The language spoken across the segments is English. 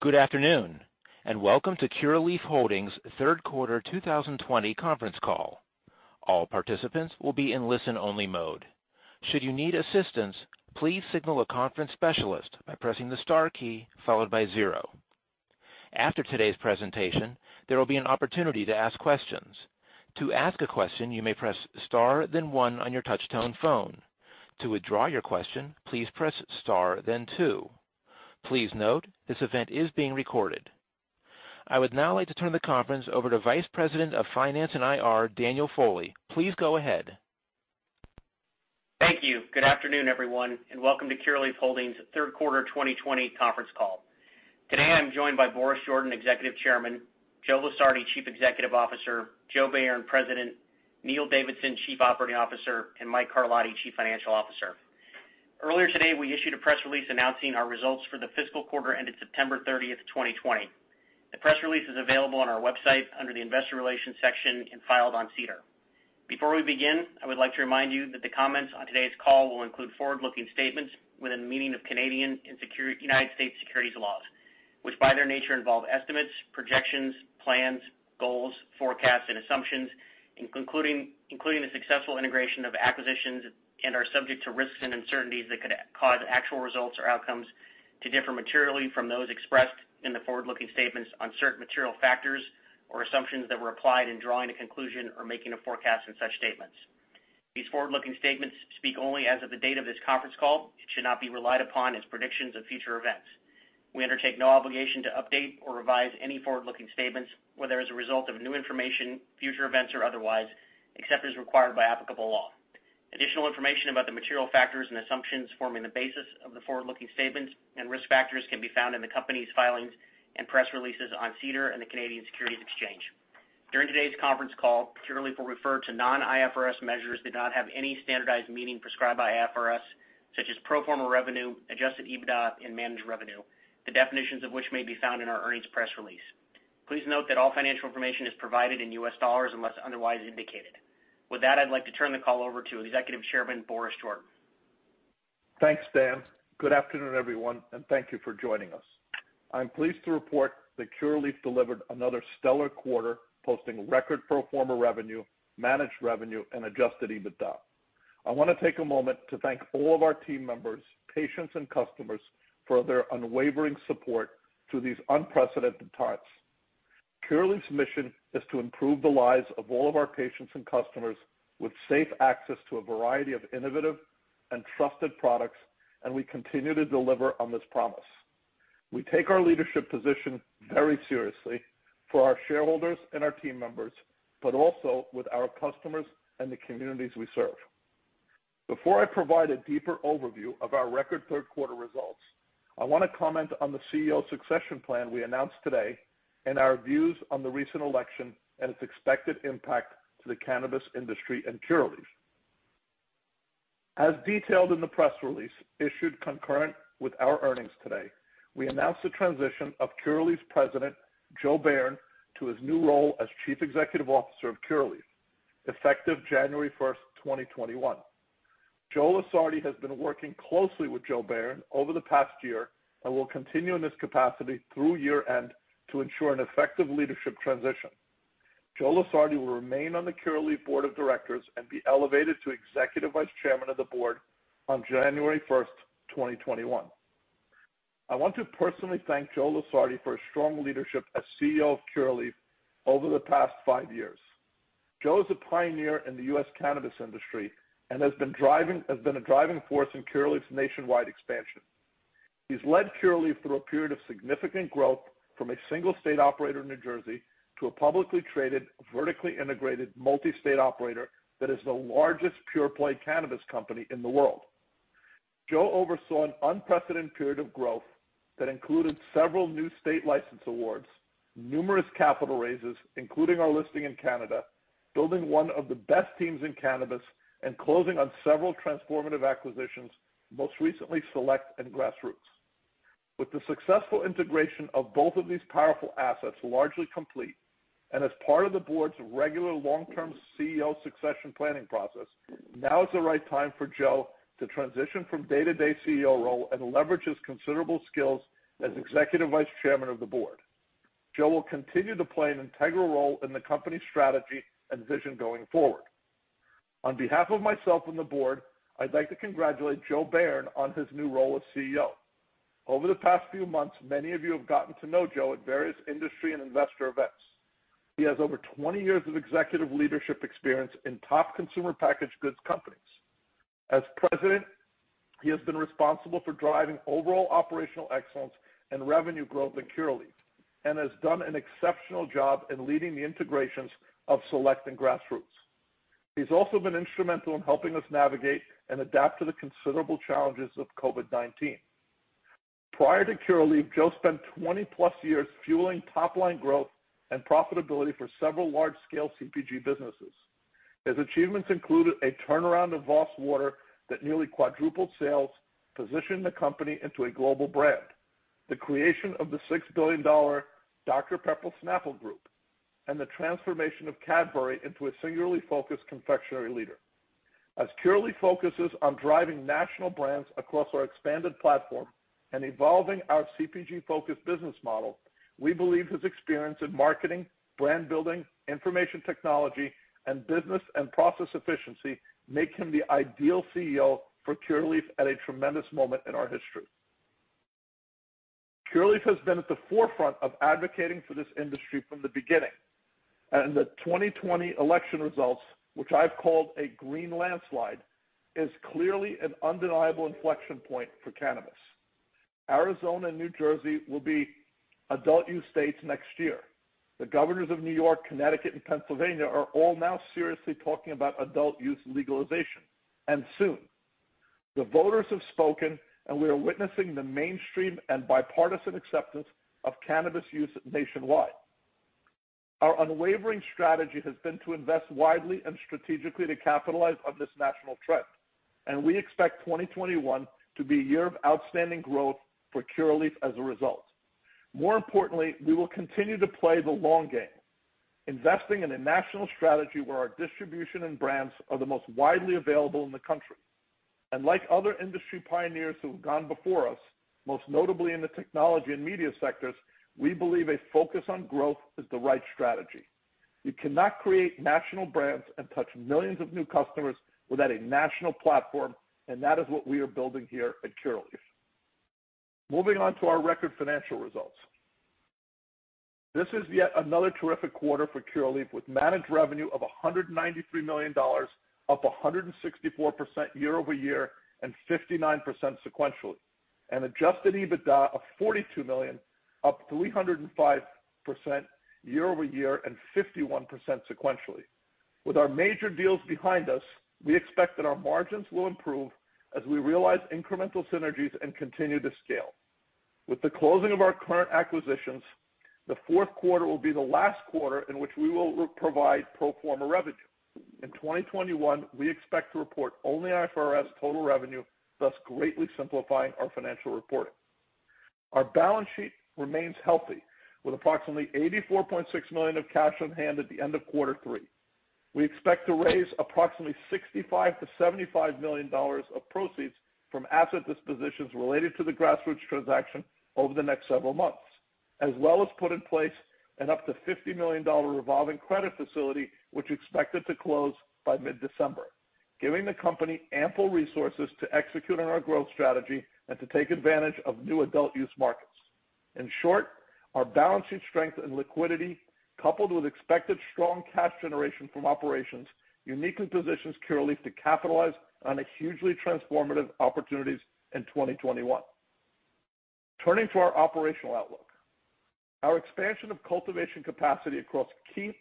Good afternoon, and welcome to Curaleaf Holdings' Third Quarter 2020 Conference Call. All participants will be in listen-only mode. Should you need assistance, please signal a conference specialist by pressing the star key followed by zero. After today's presentation, there will be an opportunity to ask questions. To ask a question, you may press star, then one on your touch-tone phone. To withdraw your question, please press star, then two. Please note, this event is being recorded. I would now like to turn the conference over to Vice President of Finance and IR, Daniel Foley. Please go ahead. Thank you. Good afternoon, everyone, and welcome to Curaleaf Holdings' Third Quarter 2020 Conference Call. Today, I'm joined by Boris Jordan, Executive Chairman, Joe Lusardi, Chief Executive Officer, Joe Bayern, President, Neil Davidson, Chief Operating Officer, and Mike Carlotti, Chief Financial Officer. Earlier today, we issued a press release announcing our results for the fiscal quarter ended September 30th, 2020. The press release is available on our website under the Investor Relations section and filed on SEDAR. Before we begin, I would like to remind you that the comments on today's call will include forward-looking statements within the meaning of Canadian and United States securities laws, which by their nature involve estimates, projections, plans, goals, forecasts, and assumptions, including the successful integration of acquisitions, and are subject to risks and uncertainties that could cause actual results or outcomes to differ materially from those expressed in the forward-looking statements on certain material factors or assumptions that were applied in drawing a conclusion or making a forecast in such statements. These forward-looking statements speak only as of the date of this conference call. It should not be relied upon as predictions of future events. We undertake no obligation to update or revise any forward-looking statements, whether as a result of new information, future events, or otherwise, except as required by applicable law. Additional information about the material factors and assumptions forming the basis of the forward-looking statements and risk factors can be found in the company's filings and press releases on SEDAR and the Canadian Securities Exchange. During today's conference call, Curaleaf will refer to non-IFRS measures that do not have any standardized meaning prescribed by IFRS, such as pro forma revenue, adjusted EBITDA, and managed revenue, the definitions of which may be found in our earnings press release. Please note that all financial information is provided in US dollars unless otherwise indicated. With that, I'd like to turn the call over to Executive Chairman Boris Jordan. Thanks, Dan. Good afternoon, everyone, and thank you for joining us. I'm pleased to report that Curaleaf delivered another stellar quarter, posting record pro forma revenue, managed revenue, and Adjusted EBITDA. I want to take a moment to thank all of our team members, patients, and customers for their unwavering support through these unprecedented times. Curaleaf's mission is to improve the lives of all of our patients and customers with safe access to a variety of innovative and trusted products, and we continue to deliver on this promise. We take our leadership position very seriously for our shareholders and our team members, but also with our customers and the communities we serve. Before I provide a deeper overview of our record third quarter results, I want to comment on the CEO succession plan we announced today and our views on the recent election and its expected impact to the cannabis industry and Curaleaf. As detailed in the press release issued concurrent with our earnings today, we announced the transition of Curaleaf President Joe Bayern to his new role as Chief Executive Officer of Curaleaf, effective January 1st, 2021. Joe Lusardi has been working closely with Joe Bayern over the past year and will continue in this capacity through year-end to ensure an effective leadership transition. Joe Lusardi will remain on the Curaleaf Board of Directors and be elevated to Executive Vice Chairman of the Board on January 1st, 2021. I want to personally thank Joe Lusardi for his strong leadership as CEO of Curaleaf over the past five years. Joe is a pioneer in the U.S. cannabis industry and has been a driving force in Curaleaf's nationwide expansion. He's led Curaleaf through a period of significant growth from a single state operator in New Jersey to a publicly traded, vertically integrated, multi-state operator that is the largest pure-play cannabis company in the world. Joe oversaw an unprecedented period of growth that included several new state license awards, numerous capital raises, including our listing in Canada, building one of the best teams in cannabis, and closing on several transformative acquisitions, most recently Select and Grassroots. With the successful integration of both of these powerful assets largely complete and as part of the board's regular long-term CEO succession planning process, now is the right time for Joe to transition from day-to-day CEO role and leverage his considerable skills as Executive Vice Chairman of the Board. Joe will continue to play an integral role in the company's strategy and vision going forward. On behalf of myself and the board, I'd like to congratulate Joe Bayern on his new role as CEO. Over the past few months, many of you have gotten to know Joe at various industry and investor events. He has over 20 years of executive leadership experience in top consumer packaged goods companies. As president, he has been responsible for driving overall operational excellence and revenue growth at Curaleaf and has done an exceptional job in leading the integrations of Select and Grassroots. He's also been instrumental in helping us navigate and adapt to the considerable challenges of COVID-19. Prior to Curaleaf, Joe spent 20-plus years fueling top-line growth and profitability for several large-scale CPG businesses. His achievements included a turnaround of Voss Water that nearly quadrupled sales, positioning the company into a global brand, the creation of the $6 billion Dr Pepper Snapple Group, and the transformation of Cadbury into a singularly focused confectionery leader. As Curaleaf focuses on driving national brands across our expanded platform and evolving our CPG-focused business model, we believe his experience in marketing, brand building, information technology, and business and process efficiency make him the ideal CEO for Curaleaf at a tremendous moment in our history. Curaleaf has been at the forefront of advocating for this industry from the beginning, and the 2020 election results, which I've called a green landslide, are clearly an undeniable inflection point for cannabis. Arizona and New Jersey will be adult use states next year. The governors of New York, Connecticut, and Pennsylvania are all now seriously talking about adult use legalization, and soon. The voters have spoken, and we are witnessing the mainstream and bipartisan acceptance of cannabis use nationwide. Our unwavering strategy has been to invest widely and strategically to capitalize on this national trend, and we expect 2021 to be a year of outstanding growth for Curaleaf as a result. More importantly, we will continue to play the long game, investing in a national strategy where our distribution and brands are the most widely available in the country, and like other industry pioneers who have gone before us, most notably in the technology and media sectors, we believe a focus on growth is the right strategy. You cannot create national brands and touch millions of new customers without a national platform, and that is what we are building here at Curaleaf. Moving on to our record financial results. This is yet another terrific quarter for Curaleaf, with managed revenue of $193 million, up 164% year-over-year and 59% sequentially, and adjusted EBITDA of $42 million, up 305% year-over-year and 51% sequentially. With our major deals behind us, we expect that our margins will improve as we realize incremental synergies and continue to scale. With the closing of our current acquisitions, the fourth quarter will be the last quarter in which we will provide pro forma revenue. In 2021, we expect to report only IFRS total revenue, thus greatly simplifying our financial reporting. Our balance sheet remains healthy, with approximately $84.6 million of cash on hand at the end of quarter three. We expect to raise approximately $65 million-$75 million of proceeds from asset dispositions related to the Grassroots transaction over the next several months, as well as put in place an up to $50 million revolving credit facility, which is expected to close by mid-December, giving the company ample resources to execute on our growth strategy and to take advantage of new adult use markets. In short, our balance sheet strength and liquidity, coupled with expected strong cash generation from operations, uniquely positions Curaleaf to capitalize on hugely transformative opportunities in 2021. Turning to our operational outlook, our expansion of cultivation capacity across key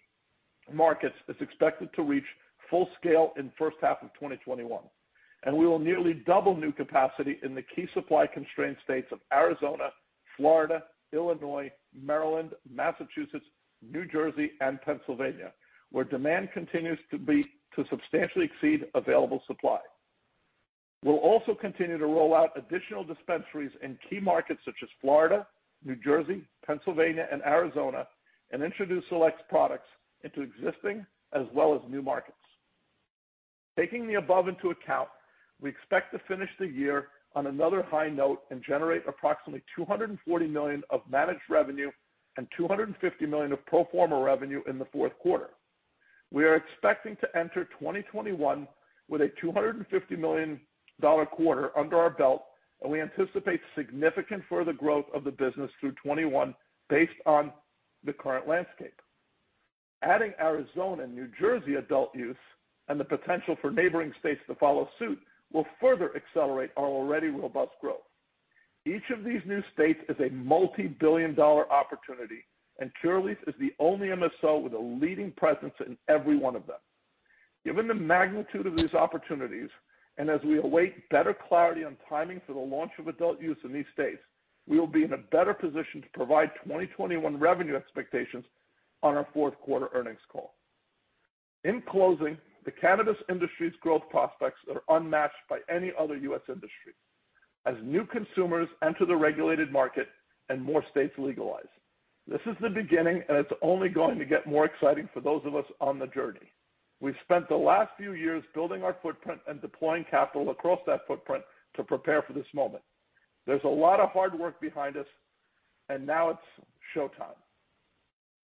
markets is expected to reach full scale in the first half of 2021, and we will nearly double new capacity in the key supply constraint states of Arizona, Florida, Illinois, Maryland, Massachusetts, New Jersey, and Pennsylvania, where demand continues to substantially exceed available supply. We'll also continue to roll out additional dispensaries in key markets such as Florida, New Jersey, Pennsylvania, and Arizona, and introduce Select's products into existing as well as new markets. Taking the above into account, we expect to finish the year on another high note and generate approximately $240 million of managed revenue and $250 million of pro forma revenue in the fourth quarter. We are expecting to enter 2021 with a $250 million quarter under our belt, and we anticipate significant further growth of the business through '21 based on the current landscape. Adding Arizona and New Jersey adult use and the potential for neighboring states to follow suit will further accelerate our already robust growth. Each of these new states is a multi-billion dollar opportunity, and Curaleaf is the only MSO with a leading presence in every one of them. Given the magnitude of these opportunities and as we await better clarity on timing for the launch of adult use in these states, we will be in a better position to provide 2021 revenue expectations on our fourth quarter earnings call. In closing, the cannabis industry's growth prospects are unmatched by any other U.S. industry as new consumers enter the regulated market and more states legalize. This is the beginning, and it's only going to get more exciting for those of us on the journey. We've spent the last few years building our footprint and deploying capital across that footprint to prepare for this moment. There's a lot of hard work behind us, and now it's showtime.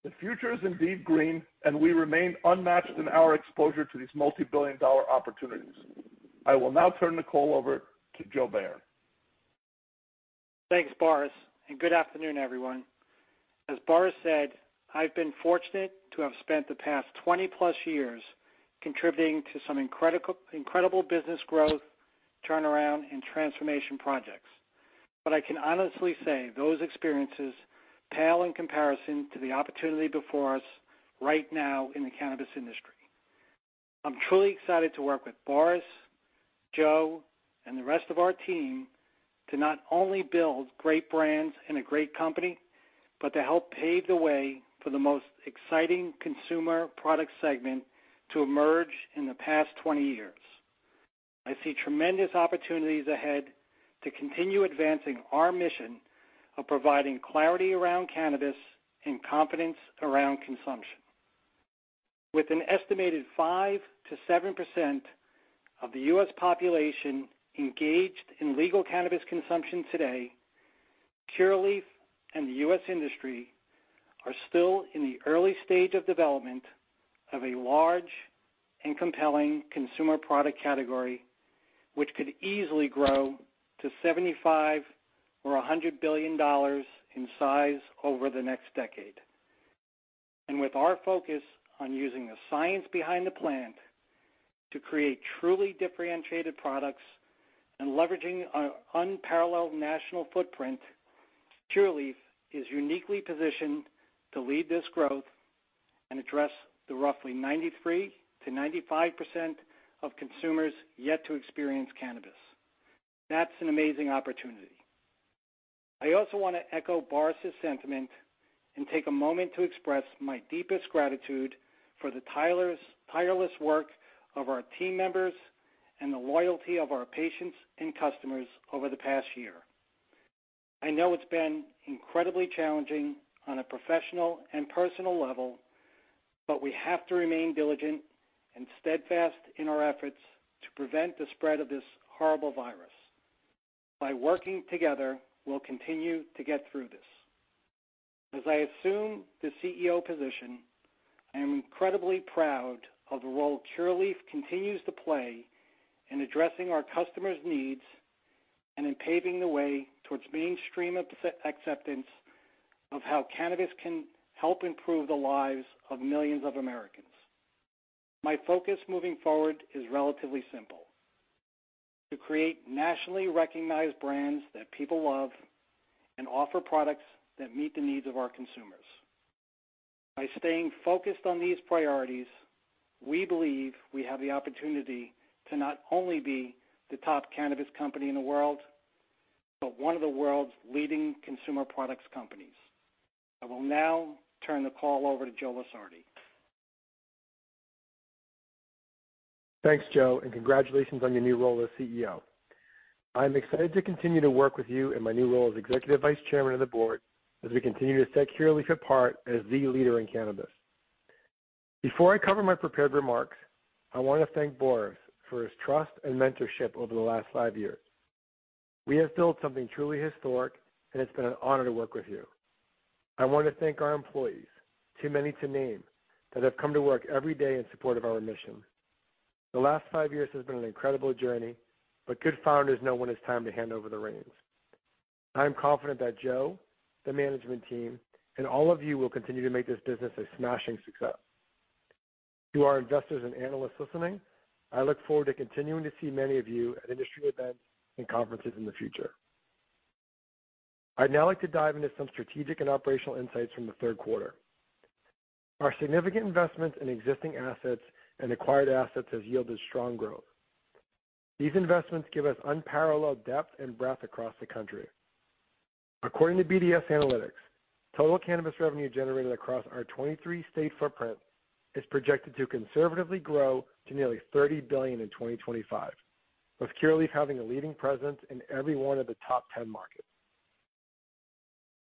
The future is indeed green, and we remain unmatched in our exposure to these multi-billion dollar opportunities. I will now turn the call over to Joe Bayern. Thanks, Boris, and good afternoon, everyone. As Boris said, I've been fortunate to have spent the past 20-plus years contributing to some incredible business growth, turnaround, and transformation projects, but I can honestly say those experiences pale in comparison to the opportunity before us right now in the cannabis industry. I'm truly excited to work with Boris, Joe, and the rest of our team to not only build great brands and a great company, but to help pave the way for the most exciting consumer product segment to emerge in the past 20 years. I see tremendous opportunities ahead to continue advancing our mission of providing clarity around cannabis and confidence around consumption. With an estimated 5%-7% of the U.S. population engaged in legal cannabis consumption today, Curaleaf and the U.S. industry are still in the early stage of development of a large and compelling consumer product category, which could easily grow to $75 billion or $100 billion in size over the next decade. With our focus on using the science behind the plant to create truly differentiated products and leveraging our unparalleled national footprint, Curaleaf is uniquely positioned to lead this growth and address the roughly 93%-95% of consumers yet to experience cannabis. That's an amazing opportunity. I also want to echo Boris's sentiment and take a moment to express my deepest gratitude for the tireless work of our team members and the loyalty of our patients and customers over the past year. I know it's been incredibly challenging on a professional and personal level, but we have to remain diligent and steadfast in our efforts to prevent the spread of this horrible virus. By working together, we'll continue to get through this. As I assume the CEO position, I am incredibly proud of the role Curaleaf continues to play in addressing our customers' needs and in paving the way towards mainstream acceptance of how cannabis can help improve the lives of millions of Americans. My focus moving forward is relatively simple: to create nationally recognized brands that people love and offer products that meet the needs of our consumers. By staying focused on these priorities, we believe we have the opportunity to not only be the top cannabis company in the world, but one of the world's leading consumer products companies. I will now turn the call over to Joe Lusardi. Thanks, Joe, and congratulations on your new role as CEO. I'm excited to continue to work with you in my new role as Executive Vice Chairman of the Board as we continue to set Curaleaf apart as the leader in cannabis. Before I cover my prepared remarks, I want to thank Boris for his trust and mentorship over the last five years. We have built something truly historic, and it's been an honor to work with you. I want to thank our employees, too many to name, that have come to work every day in support of our mission. The last five years have been an incredible journey, but good founders know when it's time to hand over the reins. I'm confident that Joe, the management team, and all of you will continue to make this business a smashing success. To our investors and analysts listening, I look forward to continuing to see many of you at industry events and conferences in the future. I'd now like to dive into some strategic and operational insights from the third quarter. Our significant investments in existing assets and acquired assets have yielded strong growth. These investments give us unparalleled depth and breadth across the country. According to BDS Analytics, total cannabis revenue generated across our 23-state footprint is projected to conservatively grow to nearly $30 billion in 2025, with Curaleaf having a leading presence in every one of the top 10 markets.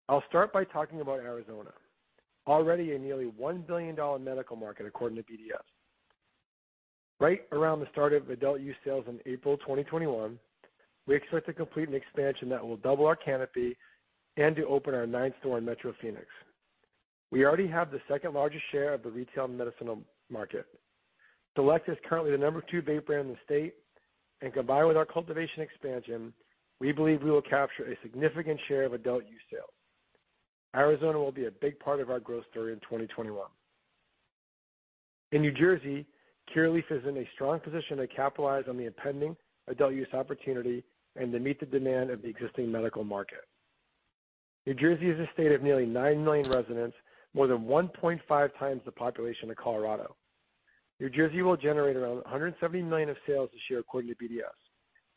I'll start by talking about Arizona, already a nearly $1 billion medical market according to BDS. Right around the start of adult use sales in April 2021, we expect to complete an expansion that will double our canopy and to open our ninth store in Metro Phoenix. We already have the second largest share of the retail medicinal market. Select is currently the number two vape brand in the state, and combined with our cultivation expansion, we believe we will capture a significant share of adult use sales. Arizona will be a big part of our growth story in 2021. In New Jersey, Curaleaf is in a strong position to capitalize on the impending adult use opportunity and to meet the demand of the existing medical market. New Jersey is a state of nearly nine million residents, more than 1.5 times the population of Colorado. New Jersey will generate around $170 million of sales this year according to BDS,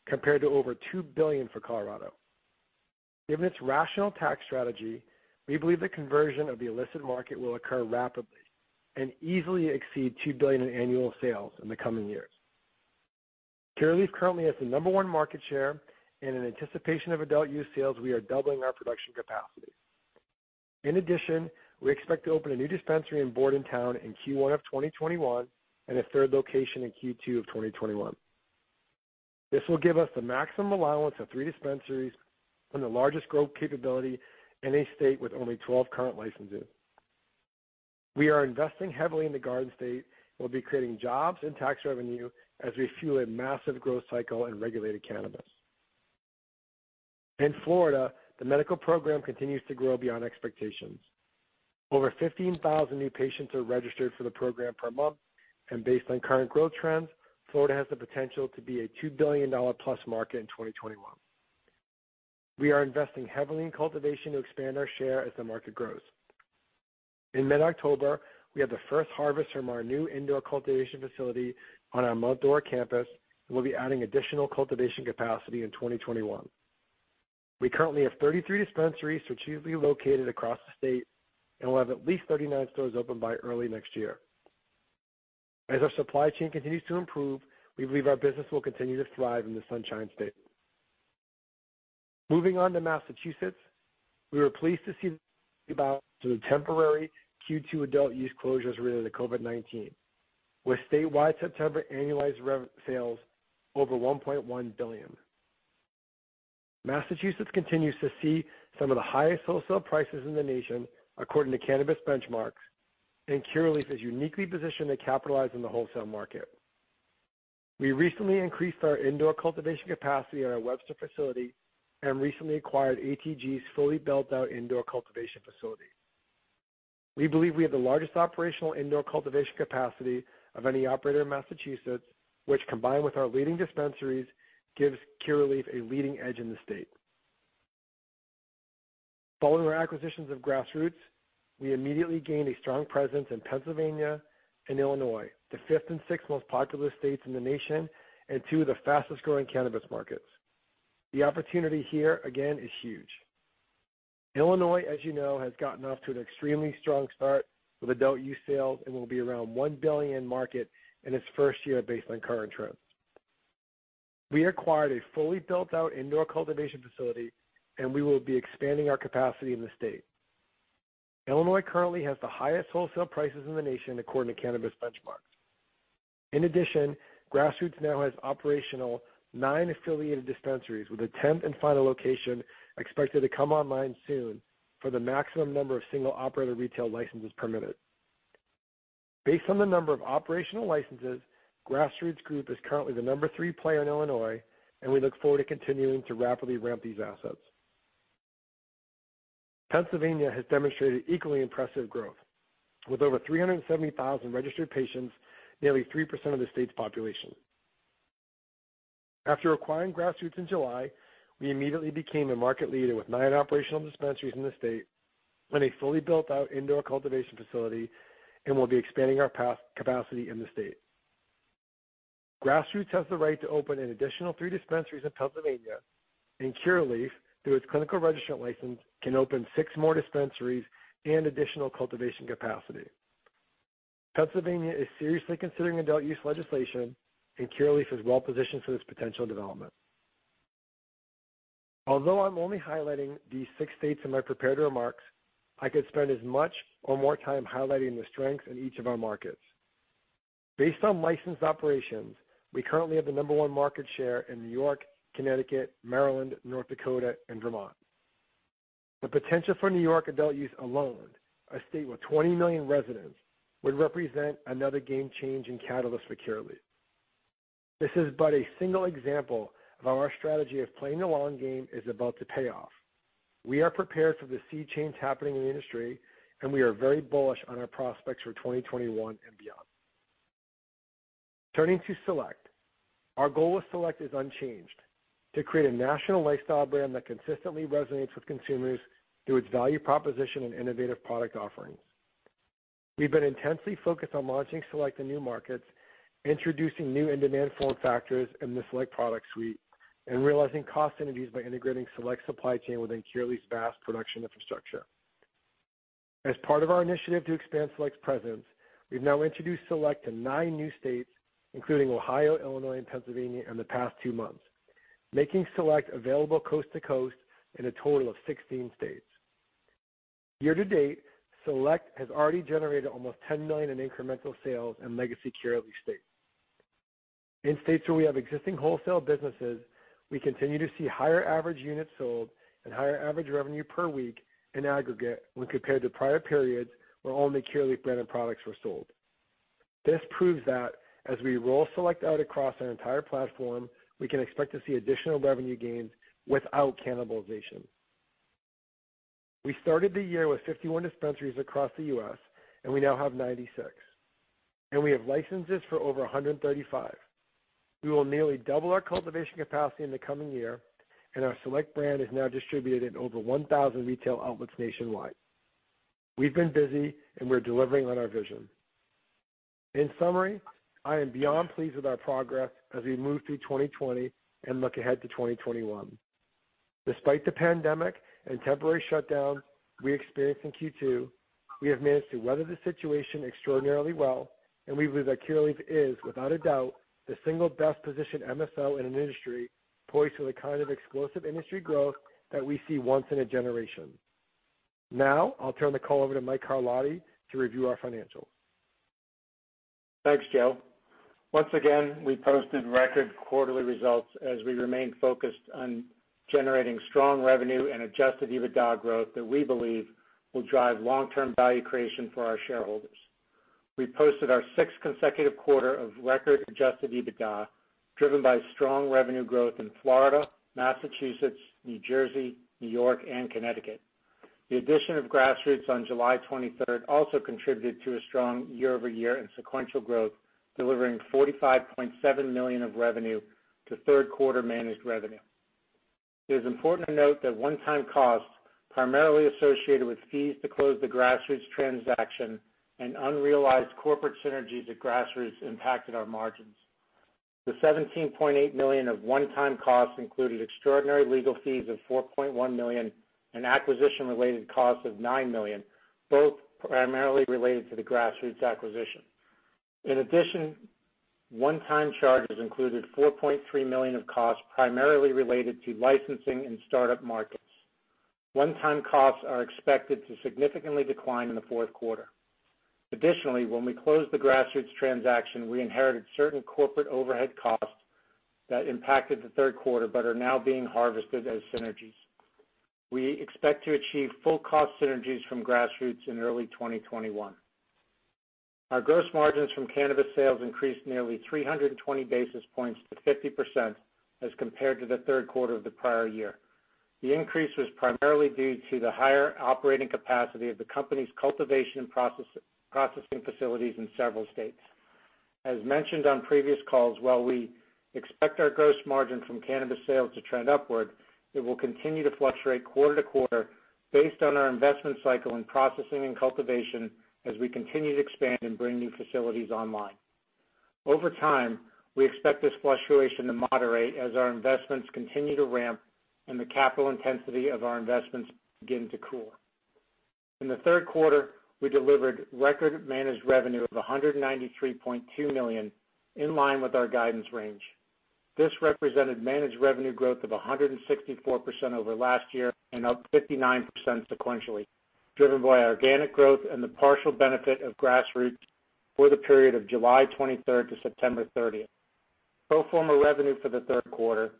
compared to over $2 billion for Colorado. Given its rational tax strategy, we believe the conversion of the illicit market will occur rapidly and easily exceed $2 billion in annual sales in the coming years. Curaleaf currently has the number one market share, and in anticipation of adult use sales, we are doubling our production capacity. In addition, we expect to open a new dispensary in Bordentown in Q1 of 2021 and a third location in Q2 of 2021. This will give us the maximum allowance of three dispensaries and the largest growth capability in a state with only 12 current licenses. We are investing heavily in the Garden State and will be creating jobs and tax revenue as we fuel a massive growth cycle in regulated cannabis. In Florida, the medical program continues to grow beyond expectations. Over 15,000 new patients are registered for the program per month, and based on current growth trends, Florida has the potential to be a $2 billion-plus market in 2021. We are investing heavily in cultivation to expand our share as the market grows. In mid-October, we had the first harvest from our new indoor cultivation facility on our Mount Dora campus, and we'll be adding additional cultivation capacity in 2021. We currently have 33 dispensaries strategically located across the state, and we'll have at least 39 stores open by early next year. As our supply chain continues to improve, we believe our business will continue to thrive in the Sunshine State. Moving on to Massachusetts, we were pleased to see the temporary Q2 adult-use closures related to COVID-19, with statewide September annualized sales over $1.1 billion. Massachusetts continues to see some of the highest wholesale prices in the nation according to Cannabis Benchmarks, and Curaleaf is uniquely positioned to capitalize on the wholesale market. We recently increased our indoor cultivation capacity at our Webster facility and recently acquired ATG's fully built-out indoor cultivation facility. We believe we have the largest operational indoor cultivation capacity of any operator in Massachusetts, which, combined with our leading dispensaries, gives Curaleaf a leading edge in the state. Following our acquisitions of Grassroots, we immediately gained a strong presence in Pennsylvania and Illinois, the fifth and sixth most populous states in the nation and two of the fastest-growing cannabis markets. The opportunity here, again, is huge. Illinois, as you know, has gotten off to an extremely strong start with adult use sales and will be around $1 billion in market in its first year based on current trends. We acquired a fully built-out indoor cultivation facility, and we will be expanding our capacity in the state. Illinois currently has the highest wholesale prices in the nation according to Cannabis Benchmarks. In addition, Grassroots now has nine operational affiliated dispensaries with a tenth and final location expected to come online soon for the maximum number of single operator retail licenses permitted. Based on the number of operational licenses, Grassroots Group is currently the number three player in Illinois, and we look forward to continuing to rapidly ramp these assets. Pennsylvania has demonstrated equally impressive growth, with over 370,000 registered patients, nearly 3% of the state's population. After acquiring Grassroots in July, we immediately became a market leader with nine operational dispensaries in the state, a fully built-out indoor cultivation facility, and will be expanding our capacity in the state. Grassroots has the right to open an additional three dispensaries in Pennsylvania, and Curaleaf, through its clinical registrant license, can open six more dispensaries and additional cultivation capacity. Pennsylvania is seriously considering adult use legislation, and Curaleaf is well positioned for this potential development. Although I'm only highlighting these six states in my prepared remarks, I could spend as much or more time highlighting the strengths in each of our markets. Based on licensed operations, we currently have the number one market share in New York, Connecticut, Maryland, North Dakota, and Vermont. The potential for New York adult use alone, a state with 20 million residents, would represent another game change and catalyst for Curaleaf. This is but a single example of how our strategy of playing the long game is about to pay off. We are prepared for the sea change happening in the industry, and we are very bullish on our prospects for 2021 and beyond. Turning to Select, our goal with Select is unchanged: to create a national lifestyle brand that consistently resonates with consumers through its value proposition and innovative product offerings. We've been intensely focused on launching Select in new markets, introducing new in-demand form factors in the Select product suite, and realizing cost synergies by integrating Select's supply chain within Curaleaf's vast production infrastructure. As part of our initiative to expand Select's presence, we've now introduced Select to nine new states, including Ohio, Illinois, and Pennsylvania, in the past two months, making Select available coast to coast in a total of 16 states. Year to date, Select has already generated almost $10 million in incremental sales and legacy Curaleaf states. In states where we have existing wholesale businesses, we continue to see higher average units sold and higher average revenue per week in aggregate when compared to prior periods where only Curaleaf branded products were sold. This proves that as we roll Select out across our entire platform, we can expect to see additional revenue gains without cannibalization. We started the year with 51 dispensaries across the U.S., and we now have 96, and we have licenses for over 135. We will nearly double our cultivation capacity in the coming year, and our Select brand is now distributed in over 1,000 retail outlets nationwide. We've been busy, and we're delivering on our vision. In summary, I am beyond pleased with our progress as we move through 2020 and look ahead to 2021. Despite the pandemic and temporary shutdowns we experienced in Q2, we have managed to weather the situation extraordinarily well, and we believe that Curaleaf is, without a doubt, the single best-positioned MSO in an industry poised for the kind of explosive industry growth that we see once in a generation. Now, I'll turn the call over to Mike Carlotti to review our financials. Thanks, Joe. Once again, we posted record quarterly results as we remain focused on generating strong revenue and Adjusted EBITDA growth that we believe will drive long-term value creation for our shareholders. We posted our sixth consecutive quarter of record Adjusted EBITDA driven by strong revenue growth in Florida, Massachusetts, New Jersey, New York, and Connecticut. The addition of Grassroots on July 23rd also contributed to a strong year-over-year and sequential growth, delivering $45.7 million of revenue to third-quarter managed revenue. It is important to note that one-time costs primarily associated with fees to close the Grassroots transaction and unrealized corporate synergies at Grassroots impacted our margins. The $17.8 million of one-time costs included extraordinary legal fees of $4.1 million and acquisition-related costs of $9 million, both primarily related to the Grassroots acquisition. In addition, one-time charges included $4.3 million of costs primarily related to licensing and startup markets. One-time costs are expected to significantly decline in the fourth quarter. Additionally, when we closed the Grassroots transaction, we inherited certain corporate overhead costs that impacted the third quarter but are now being harvested as synergies. We expect to achieve full-cost synergies from Grassroots in early 2021. Our gross margins from cannabis sales increased nearly 320 basis points to 50% as compared to the third quarter of the prior year. The increase was primarily due to the higher operating capacity of the company's cultivation and processing facilities in several states. As mentioned on previous calls, while we expect our gross margin from cannabis sales to trend upward, it will continue to fluctuate quarter to quarter based on our investment cycle in processing and cultivation as we continue to expand and bring new facilities online. Over time, we expect this fluctuation to moderate as our investments continue to ramp and the capital intensity of our investments begin to cool. In the third quarter, we delivered record managed revenue of $193.2 million, in line with our guidance range. This represented managed revenue growth of 164% over last year and up 59% sequentially, driven by organic growth and the partial benefit of Grassroots for the period of July 23rd to September 30th. Pro forma revenue for the third quarter,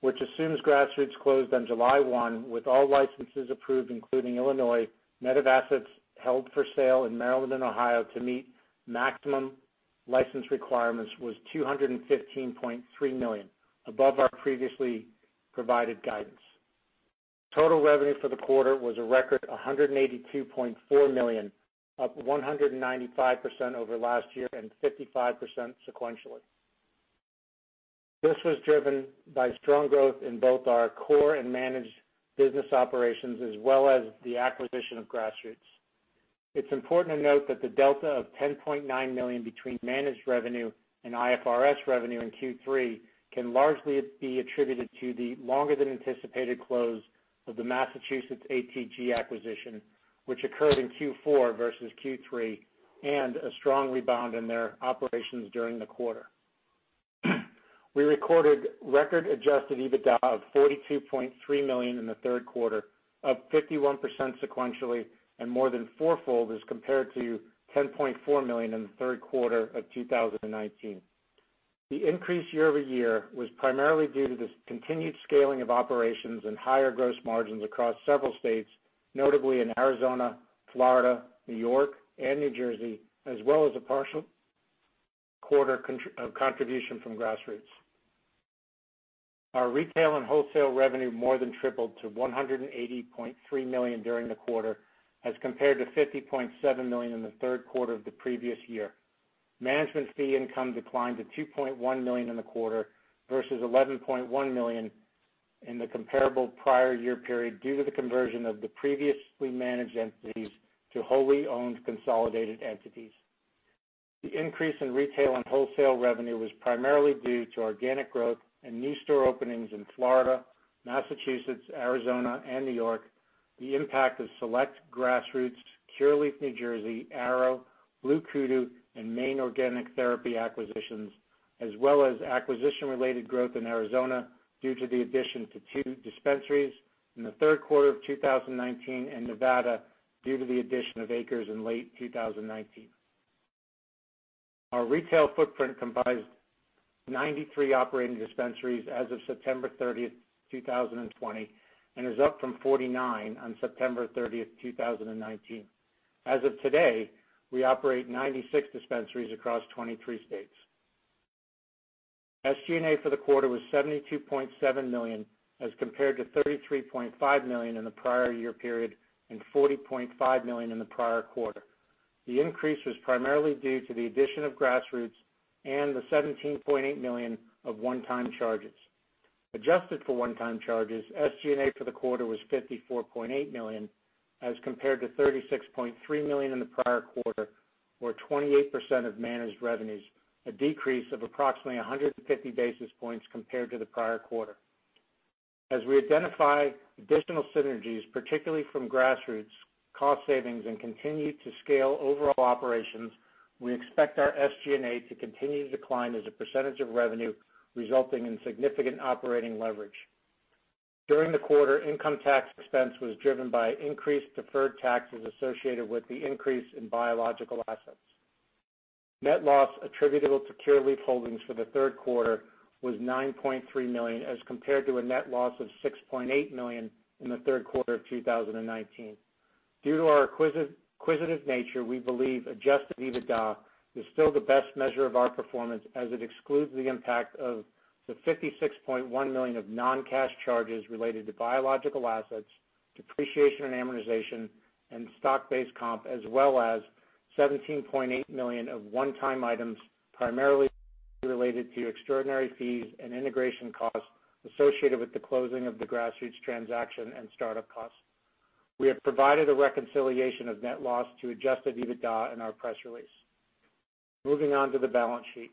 which assumes Grassroots closed on July 1 with all licenses approved, including Illinois, facilities held for sale in Maryland and Ohio to meet maximum license requirements, was $215.3 million, above our previously provided guidance. Total revenue for the quarter was a record $182.4 million, up 195% over last year and 55% sequentially. This was driven by strong growth in both our core and managed business operations, as well as the acquisition of Grassroots. It's important to note that the delta of $10.9 million between managed revenue and IFRS revenue in Q3 can largely be attributed to the longer-than-anticipated close of the Massachusetts ATG acquisition, which occurred in Q4 versus Q3, and a strong rebound in their operations during the quarter. We recorded record Adjusted EBITDA of $42.3 million in the third quarter, up 51% sequentially and more than four-fold as compared to $10.4 million in the third quarter of 2019. The increase year-over-year was primarily due to the continued scaling of operations and higher gross margins across several states, notably in Arizona, Florida, New York, and New Jersey, as well as a partial quarter of contribution from Grassroots. Our retail and wholesale revenue more than tripled to $180.3 million during the quarter, as compared to $50.7 million in the third quarter of the previous year. Management fee income declined to $2.1 million in the quarter versus $11.1 million in the comparable prior year period due to the conversion of the previously managed entities to wholly owned consolidated entities. The increase in retail and wholesale revenue was primarily due to organic growth and new store openings in Florida, Massachusetts, Arizona, and New York, the impact of Select, Grassroots, Curaleaf New Jersey, Arrow, BlueKudu, and Maine Organic Therapy acquisitions, as well as acquisition-related growth in Arizona due to the addition to two dispensaries in the third quarter of 2019 and Nevada due to the addition of Acres in late 2019. Our retail footprint comprised 93 operating dispensaries as of September 30th, 2020, and is up from 49 on September 30th, 2019. As of today, we operate 96 dispensaries across 23 states. SG&A for the quarter was $72.7 million as compared to $33.5 million in the prior year period and $40.5 million in the prior quarter. The increase was primarily due to the addition of Grassroots and the $17.8 million of one-time charges. Adjusted for one-time charges, SG&A for the quarter was $54.8 million as compared to $36.3 million in the prior quarter, or 28% of managed revenues, a decrease of approximately 150 basis points compared to the prior quarter. As we identify additional synergies, particularly from Grassroots, cost savings, and continue to scale overall operations, we expect our SG&A to continue to decline as a percentage of revenue, resulting in significant operating leverage. During the quarter, income tax expense was driven by increased deferred taxes associated with the increase in biological assets. Net loss attributable to Curaleaf Holdings for the third quarter was $9.3 million as compared to a net loss of $6.8 million in the third quarter of 2019. Due to our acquisitive nature, we believe Adjusted EBITDA is still the best measure of our performance as it excludes the impact of the $56.1 million of non-cash charges related to biological assets, depreciation and amortization, and stock-based comp, as well as $17.8 million of one-time items primarily related to extraordinary fees and integration costs associated with the closing of the Grassroots transaction and startup costs. We have provided a reconciliation of net loss to Adjusted EBITDA in our press release. Moving on to the balance sheet.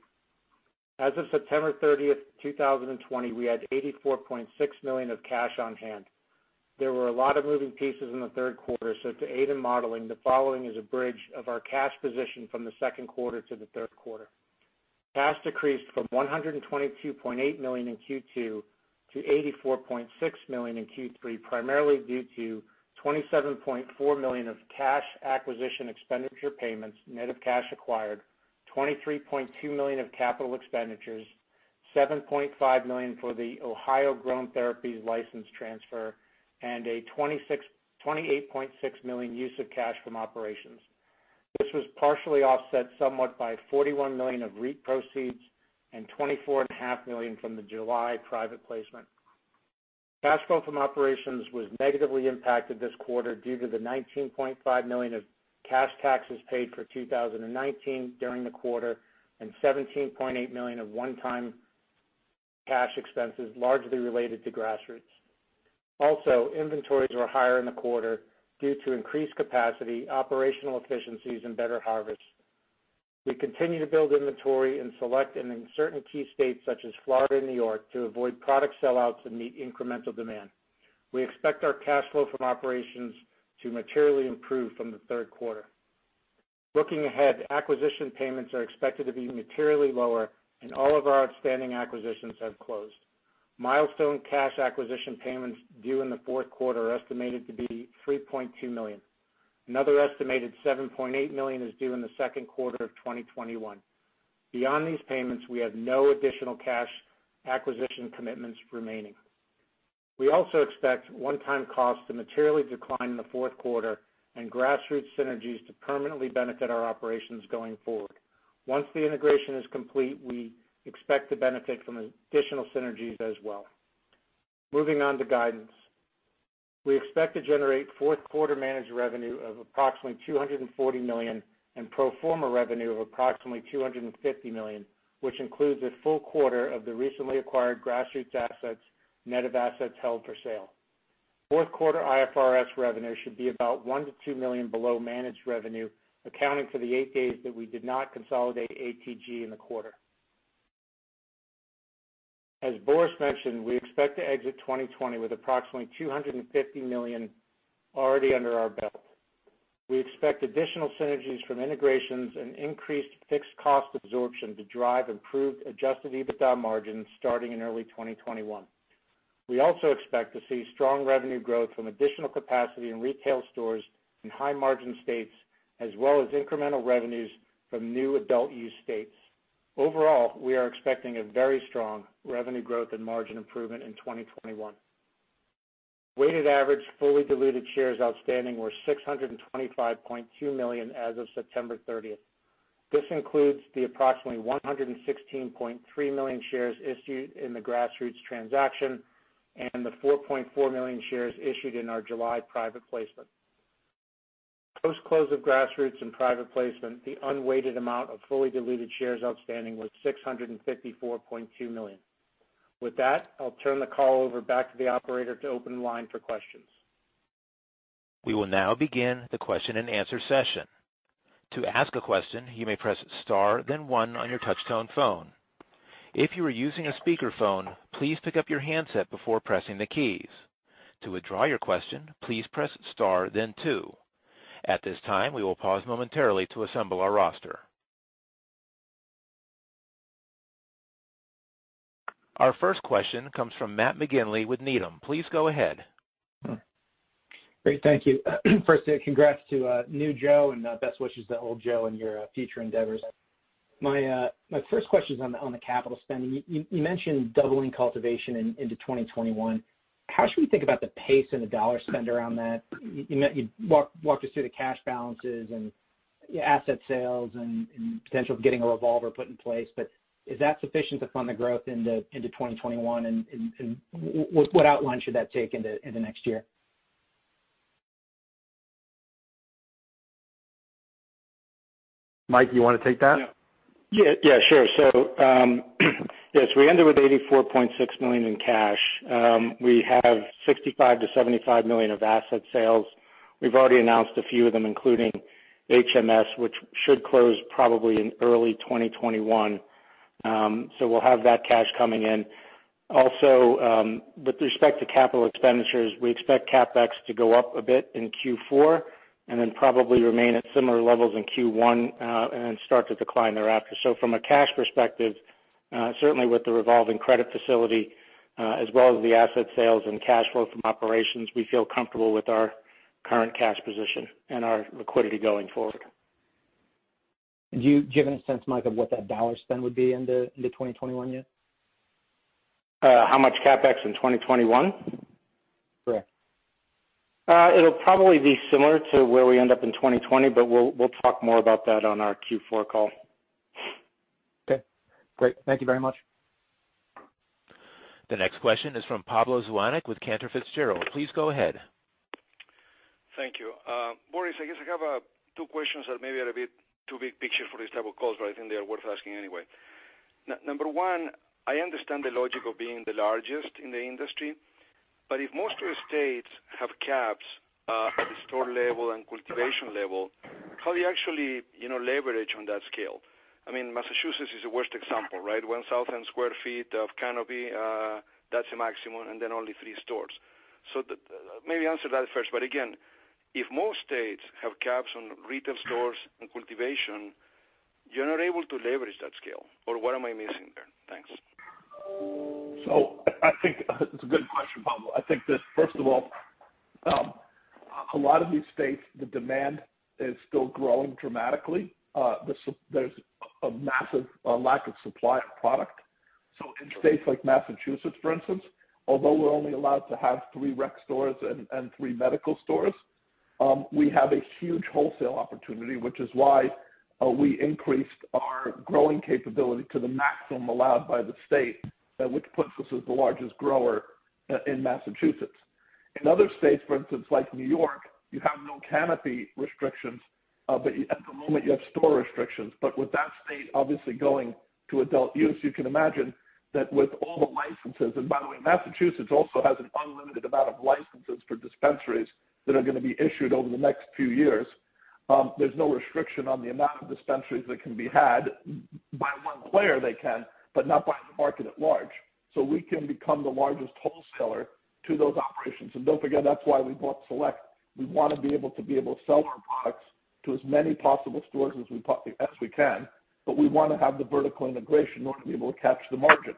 As of September 30th, 2020, we had $84.6 million of cash on hand. There were a lot of moving pieces in the third quarter, so to aid in modeling, the following is a bridge of our cash position from the second quarter to the third quarter. Cash decreased from $122.8 million in Q2 to $84.6 million in Q3, primarily due to $27.4 million of cash acquisition expenditure payments, net of cash acquired, $23.2 million of capital expenditures, $7.5 million for the Ohio Grown Therapies license transfer, and a $28.6 million use of cash from operations. This was partially offset somewhat by $41 million of REIT proceeds and $24.5 million from the July private placement. Cash flow from operations was negatively impacted this quarter due to the $19.5 million of cash taxes paid for 2019 during the quarter and $17.8 million of one-time cash expenses largely related to Grassroots. Also, inventories were higher in the quarter due to increased capacity, operational efficiencies, and better harvest. We continue to build inventory in Select and in certain key states such as Florida and New York to avoid product sellouts and meet incremental demand. We expect our cash flow from operations to materially improve from the third quarter. Looking ahead, acquisition payments are expected to be materially lower, and all of our outstanding acquisitions have closed. Milestone cash acquisition payments due in the fourth quarter are estimated to be $3.2 million. Another estimated $7.8 million is due in the second quarter of 2021. Beyond these payments, we have no additional cash acquisition commitments remaining. We also expect one-time costs to materially decline in the fourth quarter and Grassroots synergies to permanently benefit our operations going forward. Once the integration is complete, we expect to benefit from additional synergies as well. Moving on to guidance. We expect to generate fourth-quarter managed revenue of approximately $240 million and pro forma revenue of approximately $250 million, which includes a full quarter of the recently acquired Grassroots assets, net of assets held for sale. Fourth-quarter IFRS revenue should be about $1 million-$2 million below managed revenue, accounting for the eight days that we did not consolidate ATG in the quarter. As Boris mentioned, we expect to exit 2020 with approximately $250 million already under our belt. We expect additional synergies from integrations and increased fixed cost absorption to drive improved Adjusted EBITDA margins starting in early 2021. We also expect to see strong revenue growth from additional capacity in retail stores in high-margin states, as well as incremental revenues from new adult-use states. Overall, we are expecting a very strong revenue growth and margin improvement in 2021. Weighted average fully diluted shares outstanding were 625.2 million as of September 30th. This includes the approximately 116.3 million shares issued in the Grassroots transaction and the 4.4 million shares issued in our July private placement. Post-close of Grassroots and private placement, the unweighted amount of fully diluted shares outstanding was 654.2 million. With that, I'll turn the call over back to the operator to open the line for questions. We will now begin the question-and-answer session. To ask a question, you may press star, then one, on your touch-tone phone. If you are using a speakerphone, please pick up your handset before pressing the keys. To withdraw your question, please press star, then two. At this time, we will pause momentarily to assemble our roster. Our first question comes from Matt McGinley with Needham. Please go ahead. Great. Thank you. First, congrats to new Joe and best wishes to old Joe and your future endeavors. My first question is on the capital spending. You mentioned doubling cultivation into 2021. How should we think about the pace and the dollar spent around that? You walked us through the cash balances and asset sales and potential of getting a revolver put in place, but is that sufficient to fund the growth into 2021? And what outline should that take into next year? Mike, you want to take that? Yeah. Yeah, sure. So yes, we ended with $84.6 million in cash. We have $65-$75 million of asset sales. We've already announced a few of them, including HMS, which should close probably in early 2021. So we'll have that cash coming in. Also, with respect to capital expenditures, we expect CapEx to go up a bit in Q4 and then probably remain at similar levels in Q1 and then start to decline thereafter. So from a cash perspective, certainly with the revolving credit facility, as well as the asset sales and cash flow from operations, we feel comfortable with our current cash position and our liquidity going forward. Do you have any sense, Mike, of what that dollar spend would be into 2021 yet? How much CapEx in 2021? Correct. It'll probably be similar to where we end up in 2020, but we'll talk more about that on our Q4 call. Okay. Great. Thank you very much. The next question is from Pablo Zuanic with Cantor Fitzgerald. Please go ahead. Thank you. Boris, I guess I have two questions that maybe are a bit too big picture for this type of calls, but I think they are worth asking anyway. Number one, I understand the logic of being the largest in the industry, but if most of your states have caps at the store level and cultivation level, how do you actually leverage on that scale? I mean, Massachusetts is the worst example, right? 1,000 sq ft of canopy, that's a maximum, and then only three stores. So maybe answer that first. But again, if most states have caps on retail stores and cultivation, you're not able to leverage that scale. Or what am I missing there? Thanks. So I think it's a good question, Pablo. I think that, first of all, a lot of these states, the demand is still growing dramatically. There's a massive lack of supply of product. So in states like Massachusetts, for instance, although we're only allowed to have three rec stores and three medical stores, we have a huge wholesale opportunity, which is why we increased our growing capability to the maximum allowed by the state, which puts us as the largest grower in Massachusetts. In other states, for instance, like New York, you have no canopy restrictions, but at the moment, you have store restrictions. With that state obviously going to adult-use, you can imagine that with all the licenses, and by the way, Massachusetts also has an unlimited amount of licenses for dispensaries that are going to be issued over the next few years, there's no restriction on the amount of dispensaries that can be had. By one player, they can, but not by the market at large. So we can become the largest wholesaler to those operations. And don't forget, that's why we bought Select. We want to be able to be able to sell our products to as many possible stores as we can, but we want to have the vertical integration in order to be able to catch the margin.